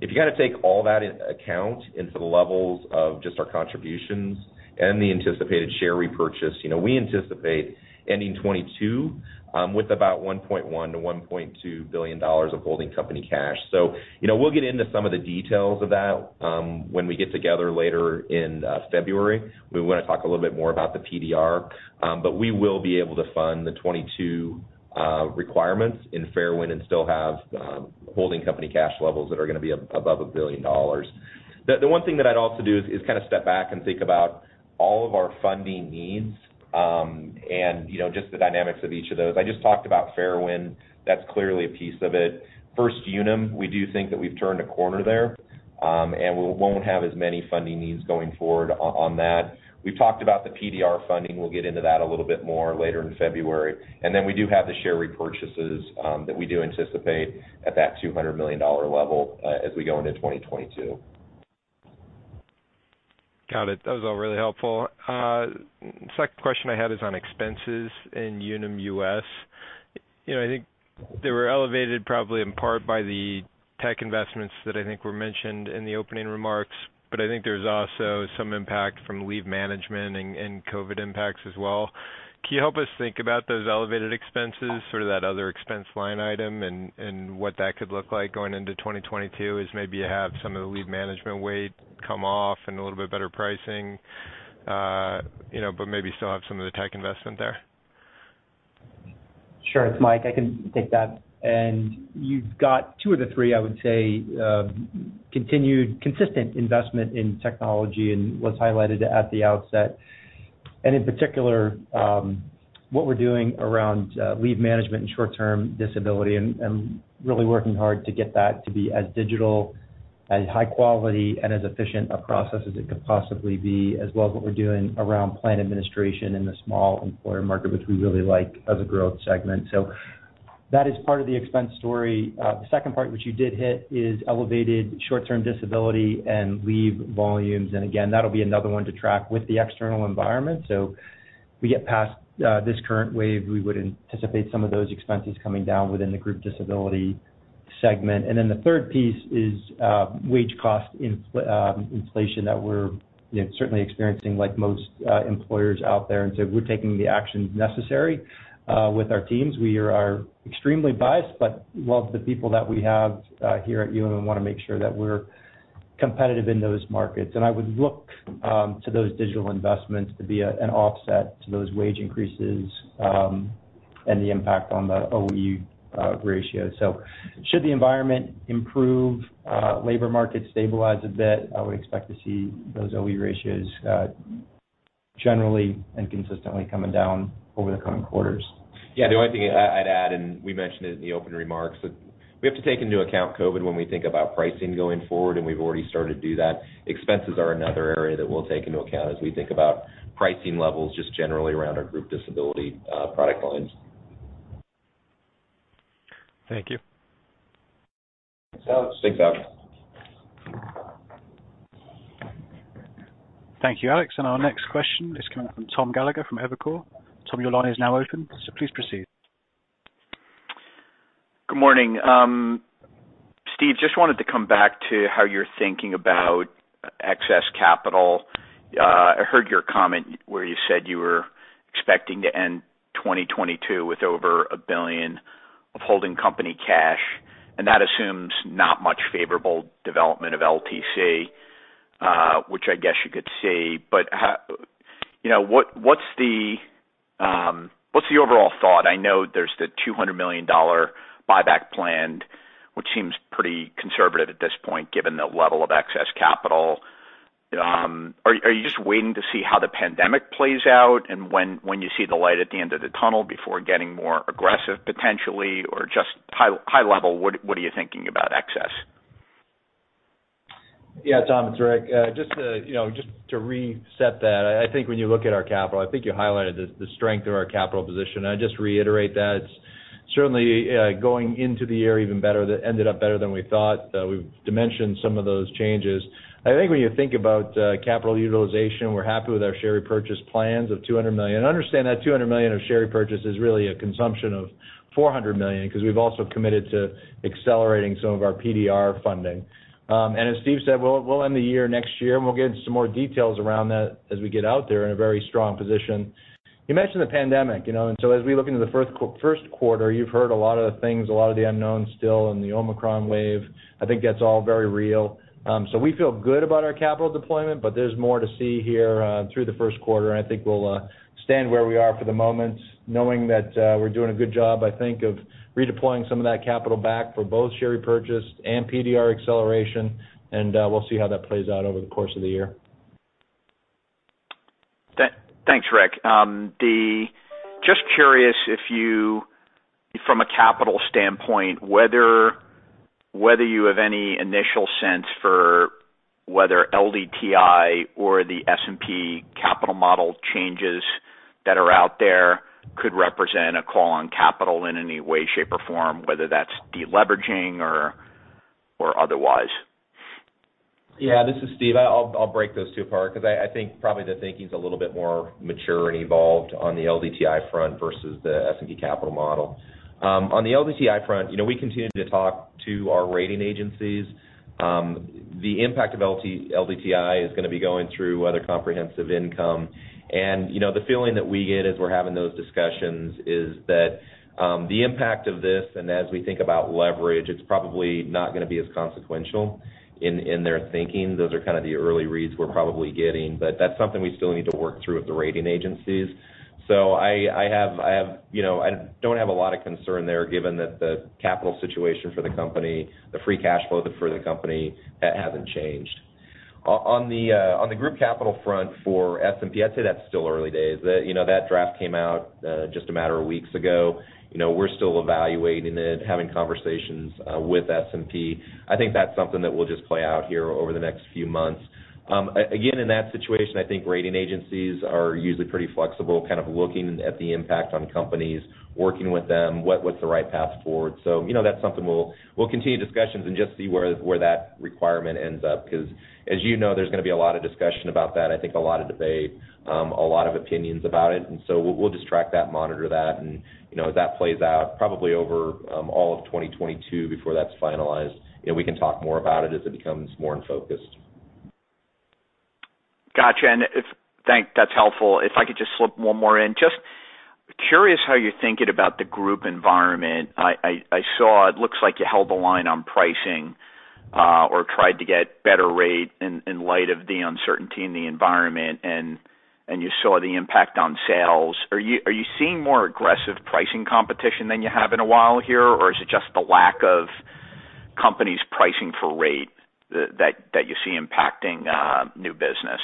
If you kind of take all that into account into the levels of just our contributions and the anticipated share repurchase, you know, we anticipate ending 2022 with about $1.1 billion-$1.2 billion of holding company cash. You know, we'll get into some of the details of that when we get together later in February. We want to talk a little bit more about the PDR. We will be able to fund the 2022 requirements in Fairwind and still have holding company cash levels that are gonna be above $1 billion. The one thing that I'd also do is kind of step back and think about all of our funding needs and, you know, just the dynamics of each of those. I just talked about Fairwind. That's clearly a piece of it. First Unum, we do think that we've turned a corner there, and we won't have as many funding needs going forward on that. We've talked about the PDR funding. We'll get into that a little bit more later in February. Then we do have the share repurchases that we do anticipate at that $200 million level, as we go into 2022. Got it. That was all really helpful. Second question I had is on expenses in Unum US. You know, I think they were elevated probably in part by the tech investments that I think were mentioned in the opening remarks, but I think there's also some impact from leave management and COVID impacts as well. Can you help us think about those elevated expenses, sort of that other expense line item and what that could look like going into 2022 as maybe you have some of the leave management weight come off and a little bit better pricing, you know, but maybe still have some of the tech investment there? Sure. It's Mike. I can take that. You've got two of the three, I would say, continued consistent investment in technology and what's highlighted at the outset. In particular, what we're doing around leave management and short-term disability and really working hard to get that to be as digital, as high quality, and as efficient a process as it could possibly be, as well as what we're doing around plan administration in the small employer market, which we really like as a growth segment. That is part of the expense story. The second part which you did hit is elevated short-term disability and leave volumes. Again, that'll be another one to track with the external environment. We get past this current wave, we would anticipate some of those expenses coming down within the group disability segment. The third piece is wage cost inflation that we're, you know, certainly experiencing like most employers out there. We're taking the actions necessary with our teams. We are extremely biased, but love the people that we have here at Unum and wanna make sure that we're competitive in those markets. I would look to those digital investments to be an offset to those wage increases and the impact on the OE ratio. Should the environment improve, labor market stabilize a bit, I would expect to see those OE ratios generally and consistently coming down over the coming quarters. Yeah. The only thing I'd add, and we mentioned it in the opening remarks, that we have to take into account COVID when we think about pricing going forward, and we've already started to do that. Expenses are another area that we'll take into account as we think about pricing levels just generally around our group disability product lines. Thank you. Thanks, Alex. Thanks, Alex. Thank you, Alex. Our next question is coming from Thomas Gallagher from Evercore. Tom, your line is now open, so please proceed. Good morning. Steve, just wanted to come back to how you're thinking about excess capital. I heard your comment where you said you were expecting to end 2022 with over $1 billion of holding company cash, and that assumes not much favorable development of LTC, which I guess you could see. How, you know, what's the overall thought? I know there's the $200 million buyback planned, which seems pretty conservative at this point, given the level of excess capital. Are you just waiting to see how the pandemic plays out and when you see the light at the end of the tunnel before getting more aggressive potentially? Or just high level, what are you thinking about excess? Yeah, Tom, it's Rick. Just to, you know, just to reset that, I think when you look at our capital, I think you highlighted the strength of our capital position, and I'd just reiterate that. It's certainly going into the year even better, that ended up better than we thought. We've dimensioned some of those changes. I think when you think about capital utilization, we're happy with our share repurchase plans of $200 million. Understand that $200 million of share repurchase is really a consumption of $400 million, 'cause we've also committed to accelerating some of our PDR funding. As Steve said, we'll end the year next year, and we'll get into some more details around that as we get out there in a very strong position. You mentioned the pandemic, you know, and so as we look into the first quarter, you've heard a lot of the things, a lot of the unknowns still in the Omicron wave. I think that's all very real. We feel good about our capital deployment, but there's more to see here through the first quarter, and I think we'll stand where we are for the moment, knowing that we're doing a good job, I think, of redeploying some of that capital back for both share repurchase and PDR acceleration. We'll see how that plays out over the course of the year. Thanks, Rick. Just curious if you, from a capital standpoint, have any initial sense for whether LDTI or the S&P capital model changes that are out there could represent a call on capital in any way, shape, or form, whether that's deleveraging or otherwise. Yeah, this is Steve. I'll break those two apart 'cause I think probably the thinking's a little bit more mature and evolved on the LDTI front versus the S&P capital model. On the LDTI front, you know, we continue to talk to our rating agencies. The impact of LDTI is gonna be going through other comprehensive income. You know, the feeling that we get as we're having those discussions is that, the impact of this, and as we think about leverage, it's probably not gonna be as consequential in their thinking. Those are kind of the early reads we're probably getting. That's something we still need to work through with the rating agencies. I have you know, I don't have a lot of concern there given that the capital situation for the company, the free cash flow for the company, that hasn't changed. On the group capital front for S&P, I'd say that's still early days. You know, that draft came out just a matter of weeks ago. You know, we're still evaluating it, having conversations with S&P. I think that's something that will just play out here over the next few months. Again, in that situation, I think rating agencies are usually pretty flexible, kind of looking at the impact on companies, working with them, what's the right path forward. You know, that's something we'll continue discussions and just see where that requirement ends up 'cause, as you know, there's gonna be a lot of discussion about that, I think a lot of debate, a lot of opinions about it. We'll just track that, monitor that, and, you know, that plays out probably over all of 2022 before that's finalized. You know, we can talk more about it as it becomes more in focus. Gotcha. That's helpful. If I could just slip one more in. Just curious how you're thinking about the group environment. I saw it looks like you held the line on pricing, or tried to get better rate in light of the uncertainty in the environment, and you saw the impact on sales. Are you seeing more aggressive pricing competition than you have in a while here? Or is it just the lack of companies pricing for rate that you see impacting new business?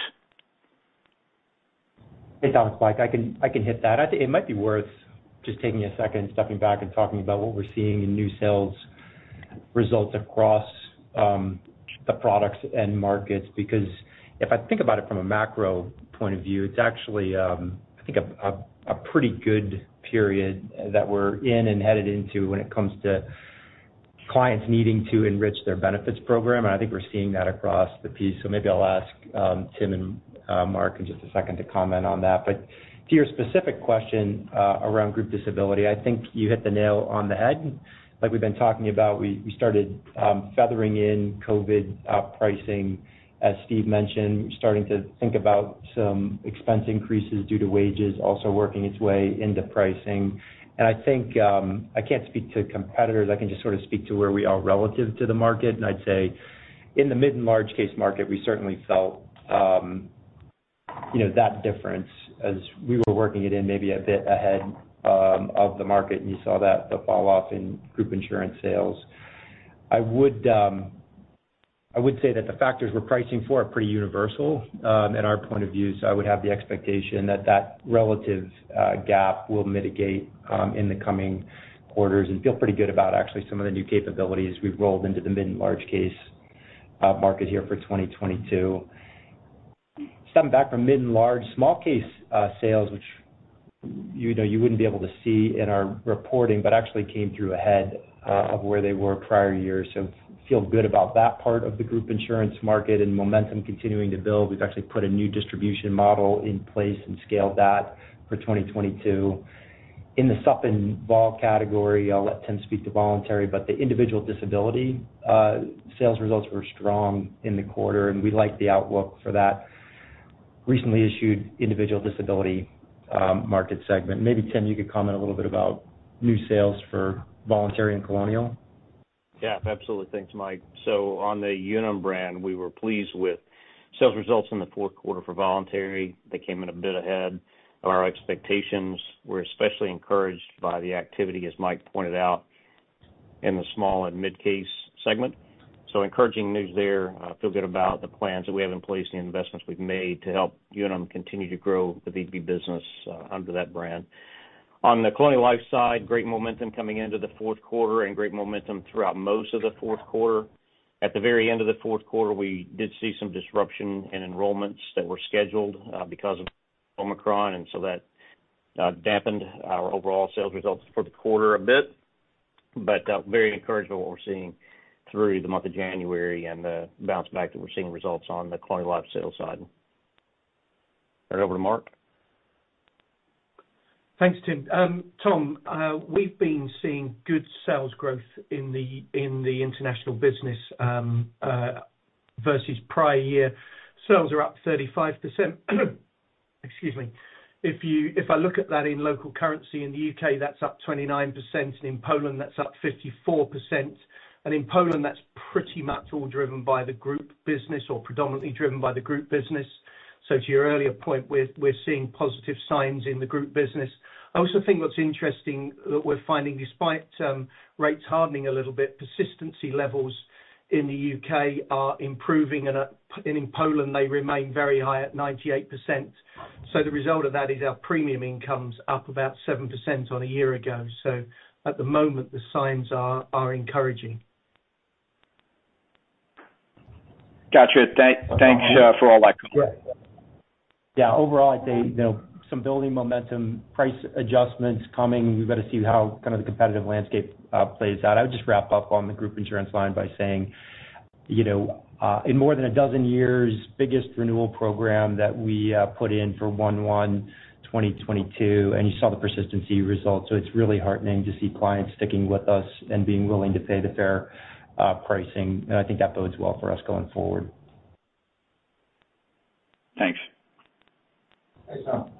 Mike Simonds. I can hit that. I think it might be worth just taking a second, stepping back and talking about what we're seeing in new sales results across the products and markets. Because if I think about it from a macro point of view, it's actually I think a pretty good period that we're in and headed into when it comes to clients needing to enrich their benefits program. I think we're seeing that across the piece. Maybe I'll ask Tim and Mark in just a second to comment on that. To your specific question around group disability, I think you hit the nail on the head. Like we've been talking about, we started feathering in COVID pricing. As Steve mentioned, we're starting to think about some expense increases due to wages also working its way into pricing. I think, I can't speak to competitors, I can just sort of speak to where we are relative to the market. I'd say in the mid and large case market, we certainly felt, you know, that difference as we were working it in maybe a bit ahead of the market, and you saw that, the fall off in group insurance sales. I would say that the factors we're pricing for are pretty universal in our point of view. I would have the expectation that that relative gap will mitigate in the coming quarters and feel pretty good about actually some of the new capabilities we've rolled into the mid and large case market here for 2022. Stepping back from mid and large, small case sales, which, you know, you wouldn't be able to see in our reporting, but actually came through ahead of where they were prior years. Feel good about that part of the group insurance market and momentum continuing to build. We've actually put a new distribution model in place and scaled that for 2022. In the group and vol category, I'll let Tim speak to voluntary, but the individual disability sales results were strong in the quarter, and we like the outlook for that recently issued individual disability market segment. Maybe Tim, you could comment a little bit about new sales for voluntary and Colonial. Yeah, absolutely. Thanks, Mike. On the Unum brand, we were pleased with sales results in the fourth quarter for voluntary. They came in a bit ahead of our expectations. We're especially encouraged by the activity, as Mike pointed out, in the small and mid-case segment. Encouraging news there. Feel good about the plans that we have in place, the investments we've made to help Unum continue to grow the VB business under that brand. On the Colonial Life side, great momentum coming into the fourth quarter and great momentum throughout most of the fourth quarter. At the very end of the fourth quarter, we did see some disruption in enrollments that were scheduled because of Omicron, and so that dampened our overall sales results for the quarter a bit. Very encouraged by what we're seeing through the month of January and the bounce back that we're seeing results on the Colonial Life sales side. Hand over to Mark. Thanks, Tim. Tom, we've been seeing good sales growth in the international business versus prior year. Sales are up 35%. Excuse me. If I look at that in local currency in the U.K., that's up 29%, and in Poland, that's up 54%. In Poland, that's pretty much all driven by the Group business or predominantly driven by the Group business. To your earlier point, we're seeing positive signs in the Group business. I also think what's interesting that we're finding, despite rates hardening a little bit, persistency levels in the U.K. are improving and in Poland, they remain very high at 98%. The result of that is our premium income's up about 7% on a year ago. At the moment, the signs are encouraging. Got you. Thanks for all that. Yeah. Overall, I'd say, you know, some building momentum, price adjustments coming. We've got to see how kind of the competitive landscape plays out. I would just wrap up on the Group Insurance line by saying, you know, in more than a dozen years, biggest renewal program that we put in for 1/1/2022, and you saw the persistency results. It's really heartening to see clients sticking with us and being willing to pay the fair pricing, and I think that bodes well for us going forward. Thanks. Thanks, Tom.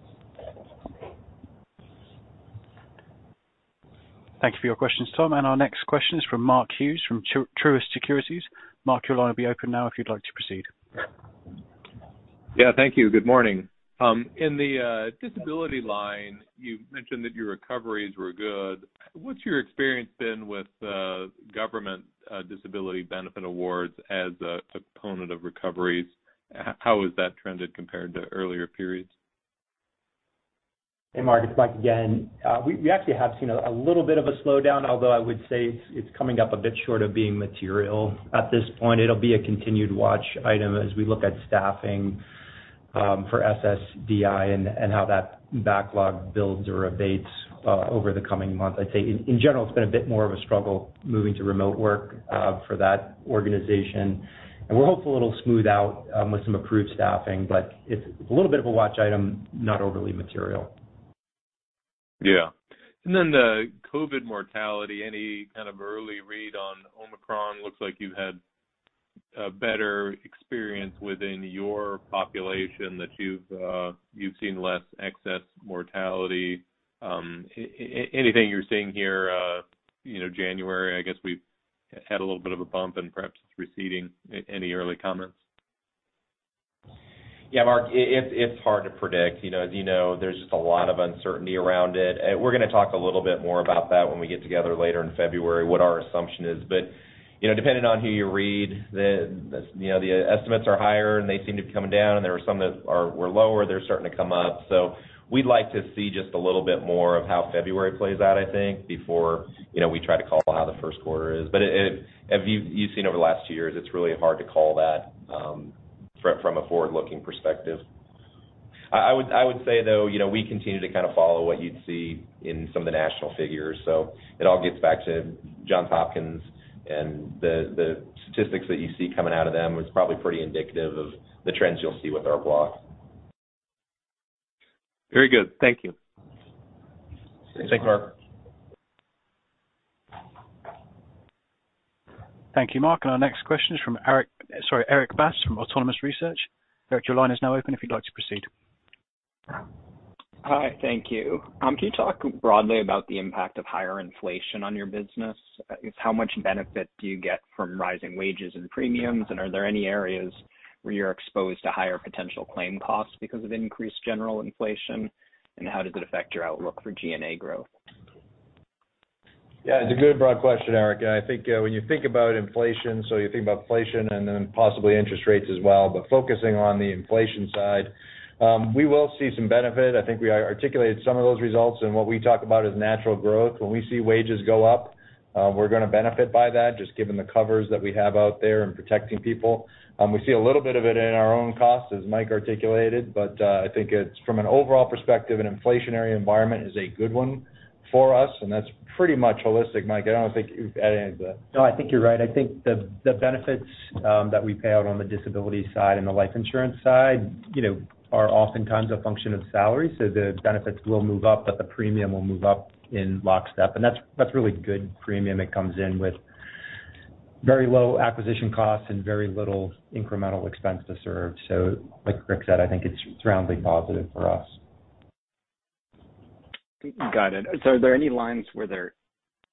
Thank you for your questions, Tom, and our next question is from Mark Hughes from Truist Securities. Mark, your line will be open now if you'd like to proceed. Yeah, thank you. Good morning. In the disability line, you mentioned that your recoveries were good. What's your experience been with government disability benefit awards as a component of recoveries? How has that trended compared to earlier periods? Hey, Mark, it's Mike again. We actually have seen a little bit of a slowdown, although I would say it's coming up a bit short of being material. At this point it'll be a continued watch item as we look at staffing for SSDI and how that backlog builds or abates over the coming month. I'd say in general, it's been a bit more of a struggle moving to remote work for that organization. We're hopeful it'll smooth out with some approved staffing, but it's a little bit of a watch item, not overly material. Yeah. Then the COVID mortality, any kind of early read on Omicron? Looks like you've had a better experience within your population, that you've seen less excess mortality. Anything you're seeing here, you know, January, I guess we've had a little bit of a bump and perhaps it's receding. Any early comments? Yeah, Mark, it's hard to predict. You know, as you know, there's just a lot of uncertainty around it. We're gonna talk a little bit more about that when we get together later in February, what our assumption is. You know, depending on who you read, you know, the estimates are higher, and they seem to be coming down, and there are some that were lower, they're starting to come up. We'd like to see just a little bit more of how February plays out, I think, before, you know, we try to call how the first quarter is. But it, you've seen over the last two years, it's really hard to call that from a forward-looking perspective. I would say, though, you know, we continue to kind of follow what you'd see in some of the national figures. It all gets back to Johns Hopkins and the statistics that you see coming out of them. It's probably pretty indicative of the trends you'll see with our blocks. Very good. Thank you. Thanks, Mark. Thanks, Mark. Thank you, Mark. Our next question is from Erik Bass from Autonomous Research. Erik, your line is now open if you'd like to proceed. Hi, thank you. Can you talk broadly about the impact of higher inflation on your business? How much benefit do you get from rising wages and premiums, and are there any areas where you're exposed to higher potential claim costs because of increased general inflation? How does it affect your outlook for G&A growth? Yeah, it's a good broad question, Eric. I think, when you think about inflation, so you think about inflation and then possibly interest rates as well. But focusing on the inflation side, we will see some benefit. I think we articulated some of those results in what we talk about as natural growth. When we see wages go up, we're gonna benefit by that just given the covers that we have out there in protecting people. We see a little bit of it in our own costs, as Mike articulated, but I think it's from an overall perspective, an inflationary environment is a good one for us, and that's pretty much holistic, Mike. I don't think you've added into that. No, I think you're right. I think the benefits that we pay out on the disability side and the life insurance side, you know, are oftentimes a function of salary. The benefits will move up, but the premium will move up in lockstep. That's really good premium that comes in with very low acquisition costs and very little incremental expense to serve. Like Rick said, I think it's roundly positive for us. Got it. Are there any lines where there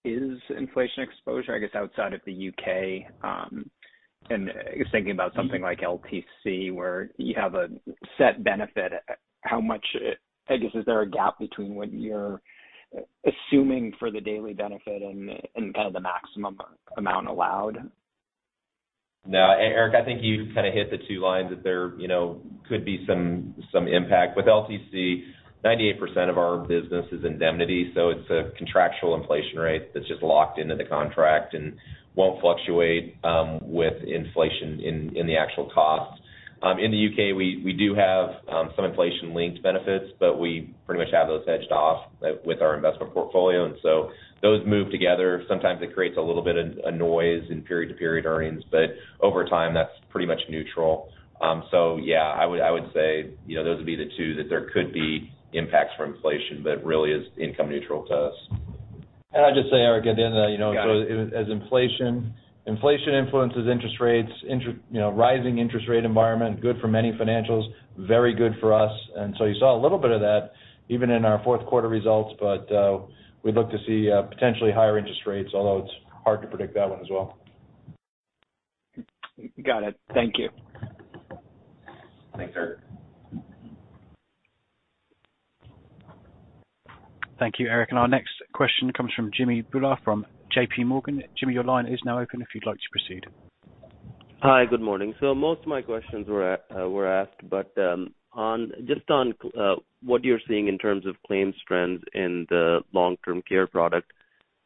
is inflation exposure, I guess, outside of the U.K., and I was thinking about something like LTC, where you have a set benefit, how much, I guess, is there a gap between what you're assuming for the daily benefit and kind of the maximum amount allowed? No, Eric, I think you kind of hit the two lines that there, you know, could be some impact. With LTC, 98% of our business is indemnity, so it's a contractual inflation rate that's just locked into the contract and won't fluctuate with inflation in the actual cost. In the U.K. we do have some inflation-linked benefits, but we pretty much have those hedged off with our investment portfolio. Those move together. Sometimes it creates a little bit of a noise in period-to-period earnings, but over time that's pretty much neutral. Yeah, I would say, you know, those would be the two that there could be impacts for inflation but really is income neutral to us. I'd just say, Eric, at the end of that, you know. Got it. as inflation influences interest rates, you know, rising interest rate environment, good for many financials, very good for us. You saw a little bit of that even in our fourth quarter results. But we look to see potentially higher interest rates, although it's hard to predict that one as well. Got it. Thank you. Thanks, Erik. Thank you, Eric. Our next question comes from Jimmy Bhullar from JPMorgan. Jimmy, your line is now open if you'd like to proceed. Hi. Good morning. Most of my questions were asked, but just on what you're seeing in terms of claims trends in the long-term care product,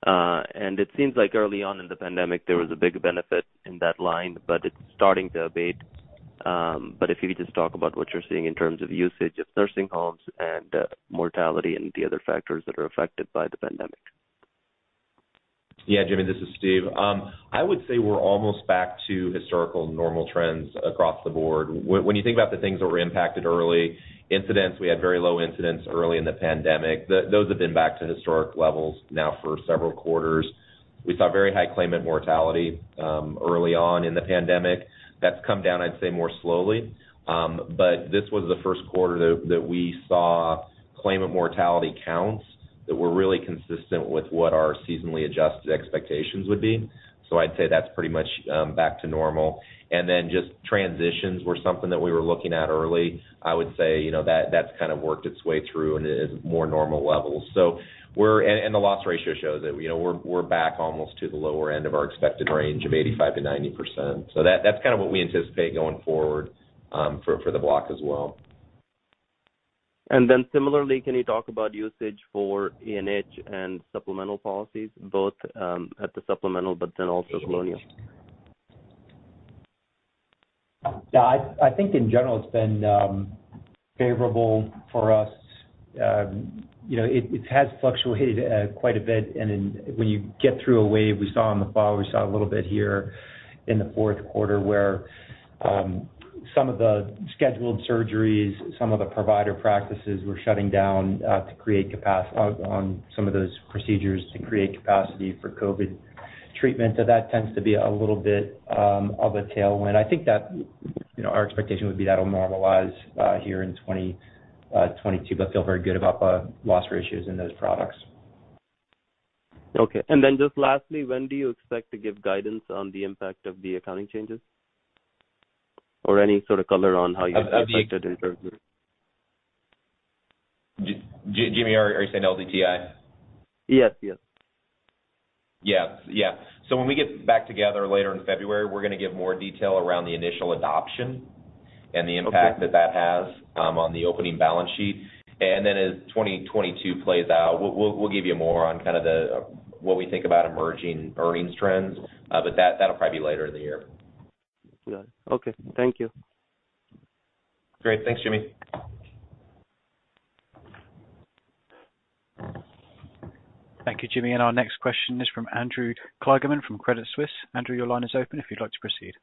and it seems like early on in the pandemic there was a big benefit in that line, but it's starting to abate. If you could just talk about what you're seeing in terms of usage of nursing homes and mortality and the other factors that are affected by the pandemic. Yeah, Jimmy, this is Steve. I would say we're almost back to historical normal trends across the board. When you think about the things that were impacted early, incidents, we had very low incidents early in the pandemic. Those have been back to historic levels now for several quarters. We saw very high claimant mortality early on in the pandemic. That's come down, I'd say, more slowly. This was the first quarter that we saw claimant mortality counts that were really consistent with what our seasonally adjusted expectations would be. I'd say that's pretty much back to normal. Just transitions were something that we were looking at early. I would say, you know, that's kind of worked its way through and is more normal levels. We're... The loss ratio shows that, you know, we're back almost to the lower end of our expected range of 85%-90%. That's kind of what we anticipate going forward, for the block as well. Similarly, can you talk about usage for A&H and supplemental policies, both at the supplemental, but then also Colonial? Yeah. I think in general it's been favorable for us. You know, it has fluctuated quite a bit. When you get through a wave, we saw in the fall a little bit here in the fourth quarter where some of the scheduled surgeries, some of the provider practices were shutting down to create capacity for COVID treatment. So that tends to be a little bit of a tailwind. I think that, you know, our expectation would be that'll normalize here in 2022, but we feel very good about the loss ratios in those products. Okay. Just lastly, when do you expect to give guidance on the impact of the accounting changes, or any sort of color on how you expect it to impact? Jimmy, are you saying LDTI? Yes, yes. Yeah. Yeah. When we get back together later in February, we're gonna give more detail around the initial adoption and the impact. Okay that has on the opening balance sheet. Then as 2022 plays out, we'll give you more on kind of what we think about emerging earnings trends. That'll probably be later in the year. Got it. Okay. Thank you. Great. Thanks, Jimmy. Thank you, Jimmy. Our next question is from Andrew Kligerman from Credit Suisse. Andrew, your line is open if you'd like to proceed.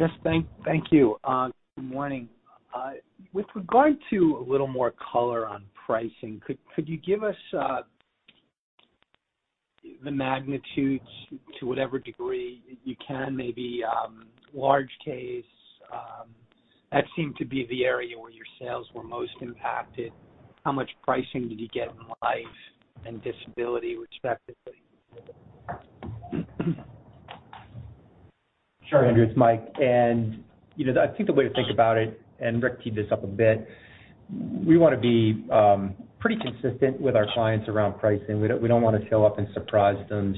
Yes. Thank you. Good morning. With regard to a little more color on pricing, could you give us the magnitude to whatever degree you can? Maybe large case that seemed to be the area where your sales were most impacted. How much pricing did you get in life and disability respectively? Sure, Andrew. It's Mike. You know, I think the way to think about it, and Rick teed this up a bit, we want to be pretty consistent with our clients around pricing. We don't want to show up and surprise them.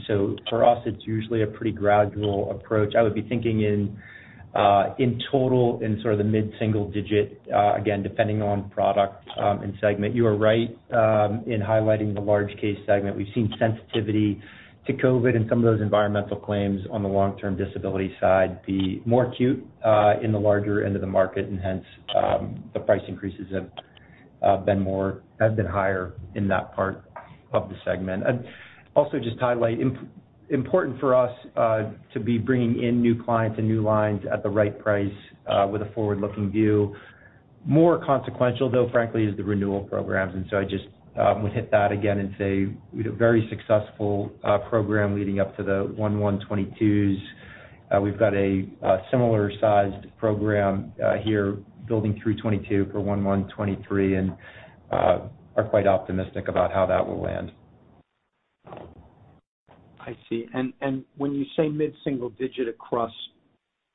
For us, it's usually a pretty gradual approach. I would be thinking in total in sort of the mid-single-digit, again, depending on product, and segment. You are right in highlighting the large-case segment. We've seen sensitivity to COVID and some of those environmental claims on the long-term disability side be more acute in the larger end of the market, and hence, the price increases have been higher in that part of the segment. Also just to highlight, important for us to be bringing in new clients and new lines at the right price with a forward-looking view. More consequential, though, frankly, is the renewal programs, so I just would hit that again and say we had a very successful program leading up to the 1/1 2022s. We've got a similar sized program here building through 2022 for 1/1 2023, and are quite optimistic about how that will land. I see. When you say mid-single digit across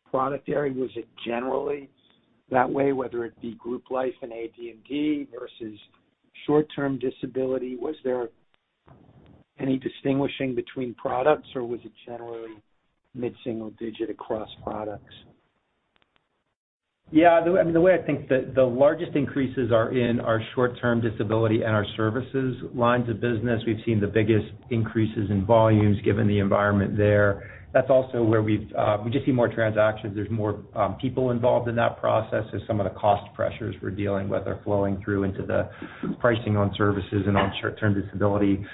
product area, was it generally that way, whether it be group life and AD&D versus short-term disability? Was there any distinguishing between products, or was it generally mid-single digit across products? Yeah, I mean, the way I think the largest increases are in our short-term disability and our services lines of business. We've seen the biggest increases in volumes given the environment there. That's also where we just see more transactions. There's more people involved in that process as some of the cost pressures we're dealing with are flowing through into the pricing on services and on short-term disability.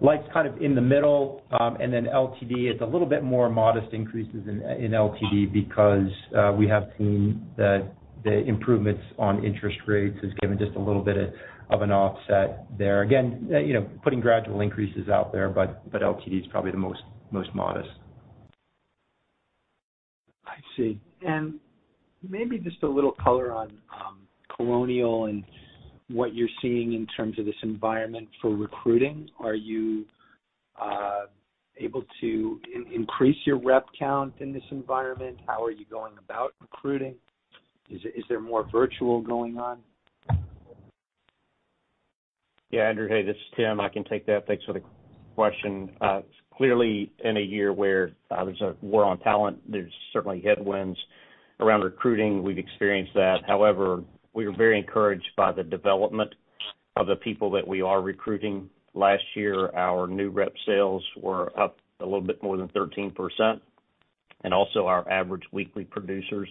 Life's kind of in the middle. LTD, it's a little bit more modest increases in LTD because we have seen the improvements on interest rates has given just a little bit of an offset there. You know, putting gradual increases out there, but LTD is probably the most modest. I see. Maybe just a little color on Colonial and what you're seeing in terms of this environment for recruiting. Are you able to increase your rep count in this environment? How are you going about recruiting? Is there more virtual going on? Yeah, Andrew, hey, this is Tim. I can take that. Thanks for the question. Clearly, in a year where there's a war on talent, there's certainly headwinds around recruiting. We've experienced that. However, we are very encouraged by the development of the people that we are recruiting. Last year, our new rep sales were up a little bit more than 13%, and also our average weekly producers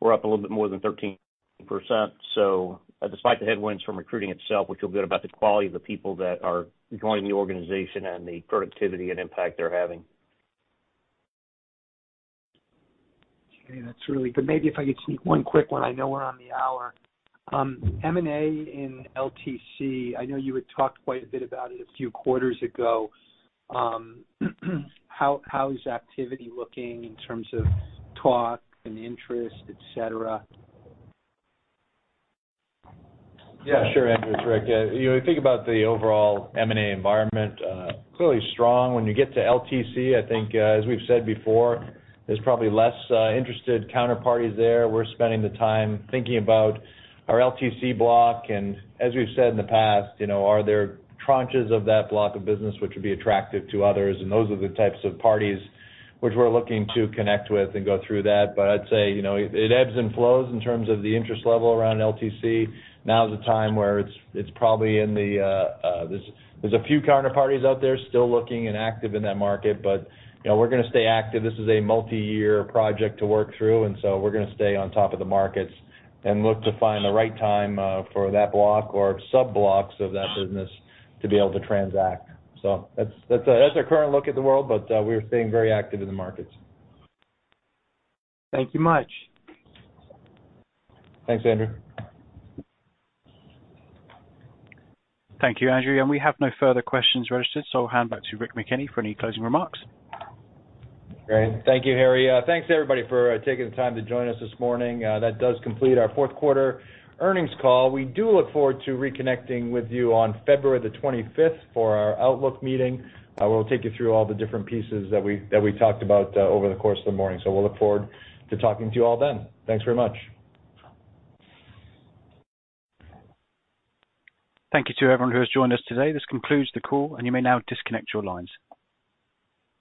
were up a little bit more than 13%. Despite the headwinds from recruiting itself, we feel good about the quality of the people that are joining the organization and the productivity and impact they're having. Okay, that's really good. Maybe if I could sneak one quick one. I know we're on the hour. M&A in LTC, I know you had talked quite a bit about it a few quarters ago. How is activity looking in terms of talk and interest, et cetera? Yeah, sure, Andrew. It's Rick. You know, if you think about the overall M&A environment, clearly strong. When you get to LTC, I think, as we've said before, there's probably less interested counterparties there. We're spending the time thinking about our LTC block, and as we've said in the past, you know, are there tranches of that block of business which would be attractive to others? Those are the types of parties which we're looking to connect with and go through that. But I'd say, you know, it ebbs and flows in terms of the interest level around LTC. Now is the time where there's a few counterparties out there still looking and active in that market. You know, we're gonna stay active. This is a multi-year project to work through, and so we're gonna stay on top of the markets and look to find the right time for that block or sub-blocks of that business to be able to transact. That's our current look at the world, but we're staying very active in the markets. Thank you much. Thanks, Andrew. Thank you, Andrew. We have no further questions registered, so I'll hand back to Rick McKenney for any closing remarks. Great. Thank you, Harry. Thanks, everybody, for taking the time to join us this morning. That does complete our fourth quarter earnings call. We do look forward to reconnecting with you on February 25 for our outlook meeting. We'll take you through all the different pieces that we talked about over the course of the morning. We'll look forward to talking to you all then. Thanks very much. Thank you to everyone who has joined us today. This concludes the call, and you may now disconnect your lines.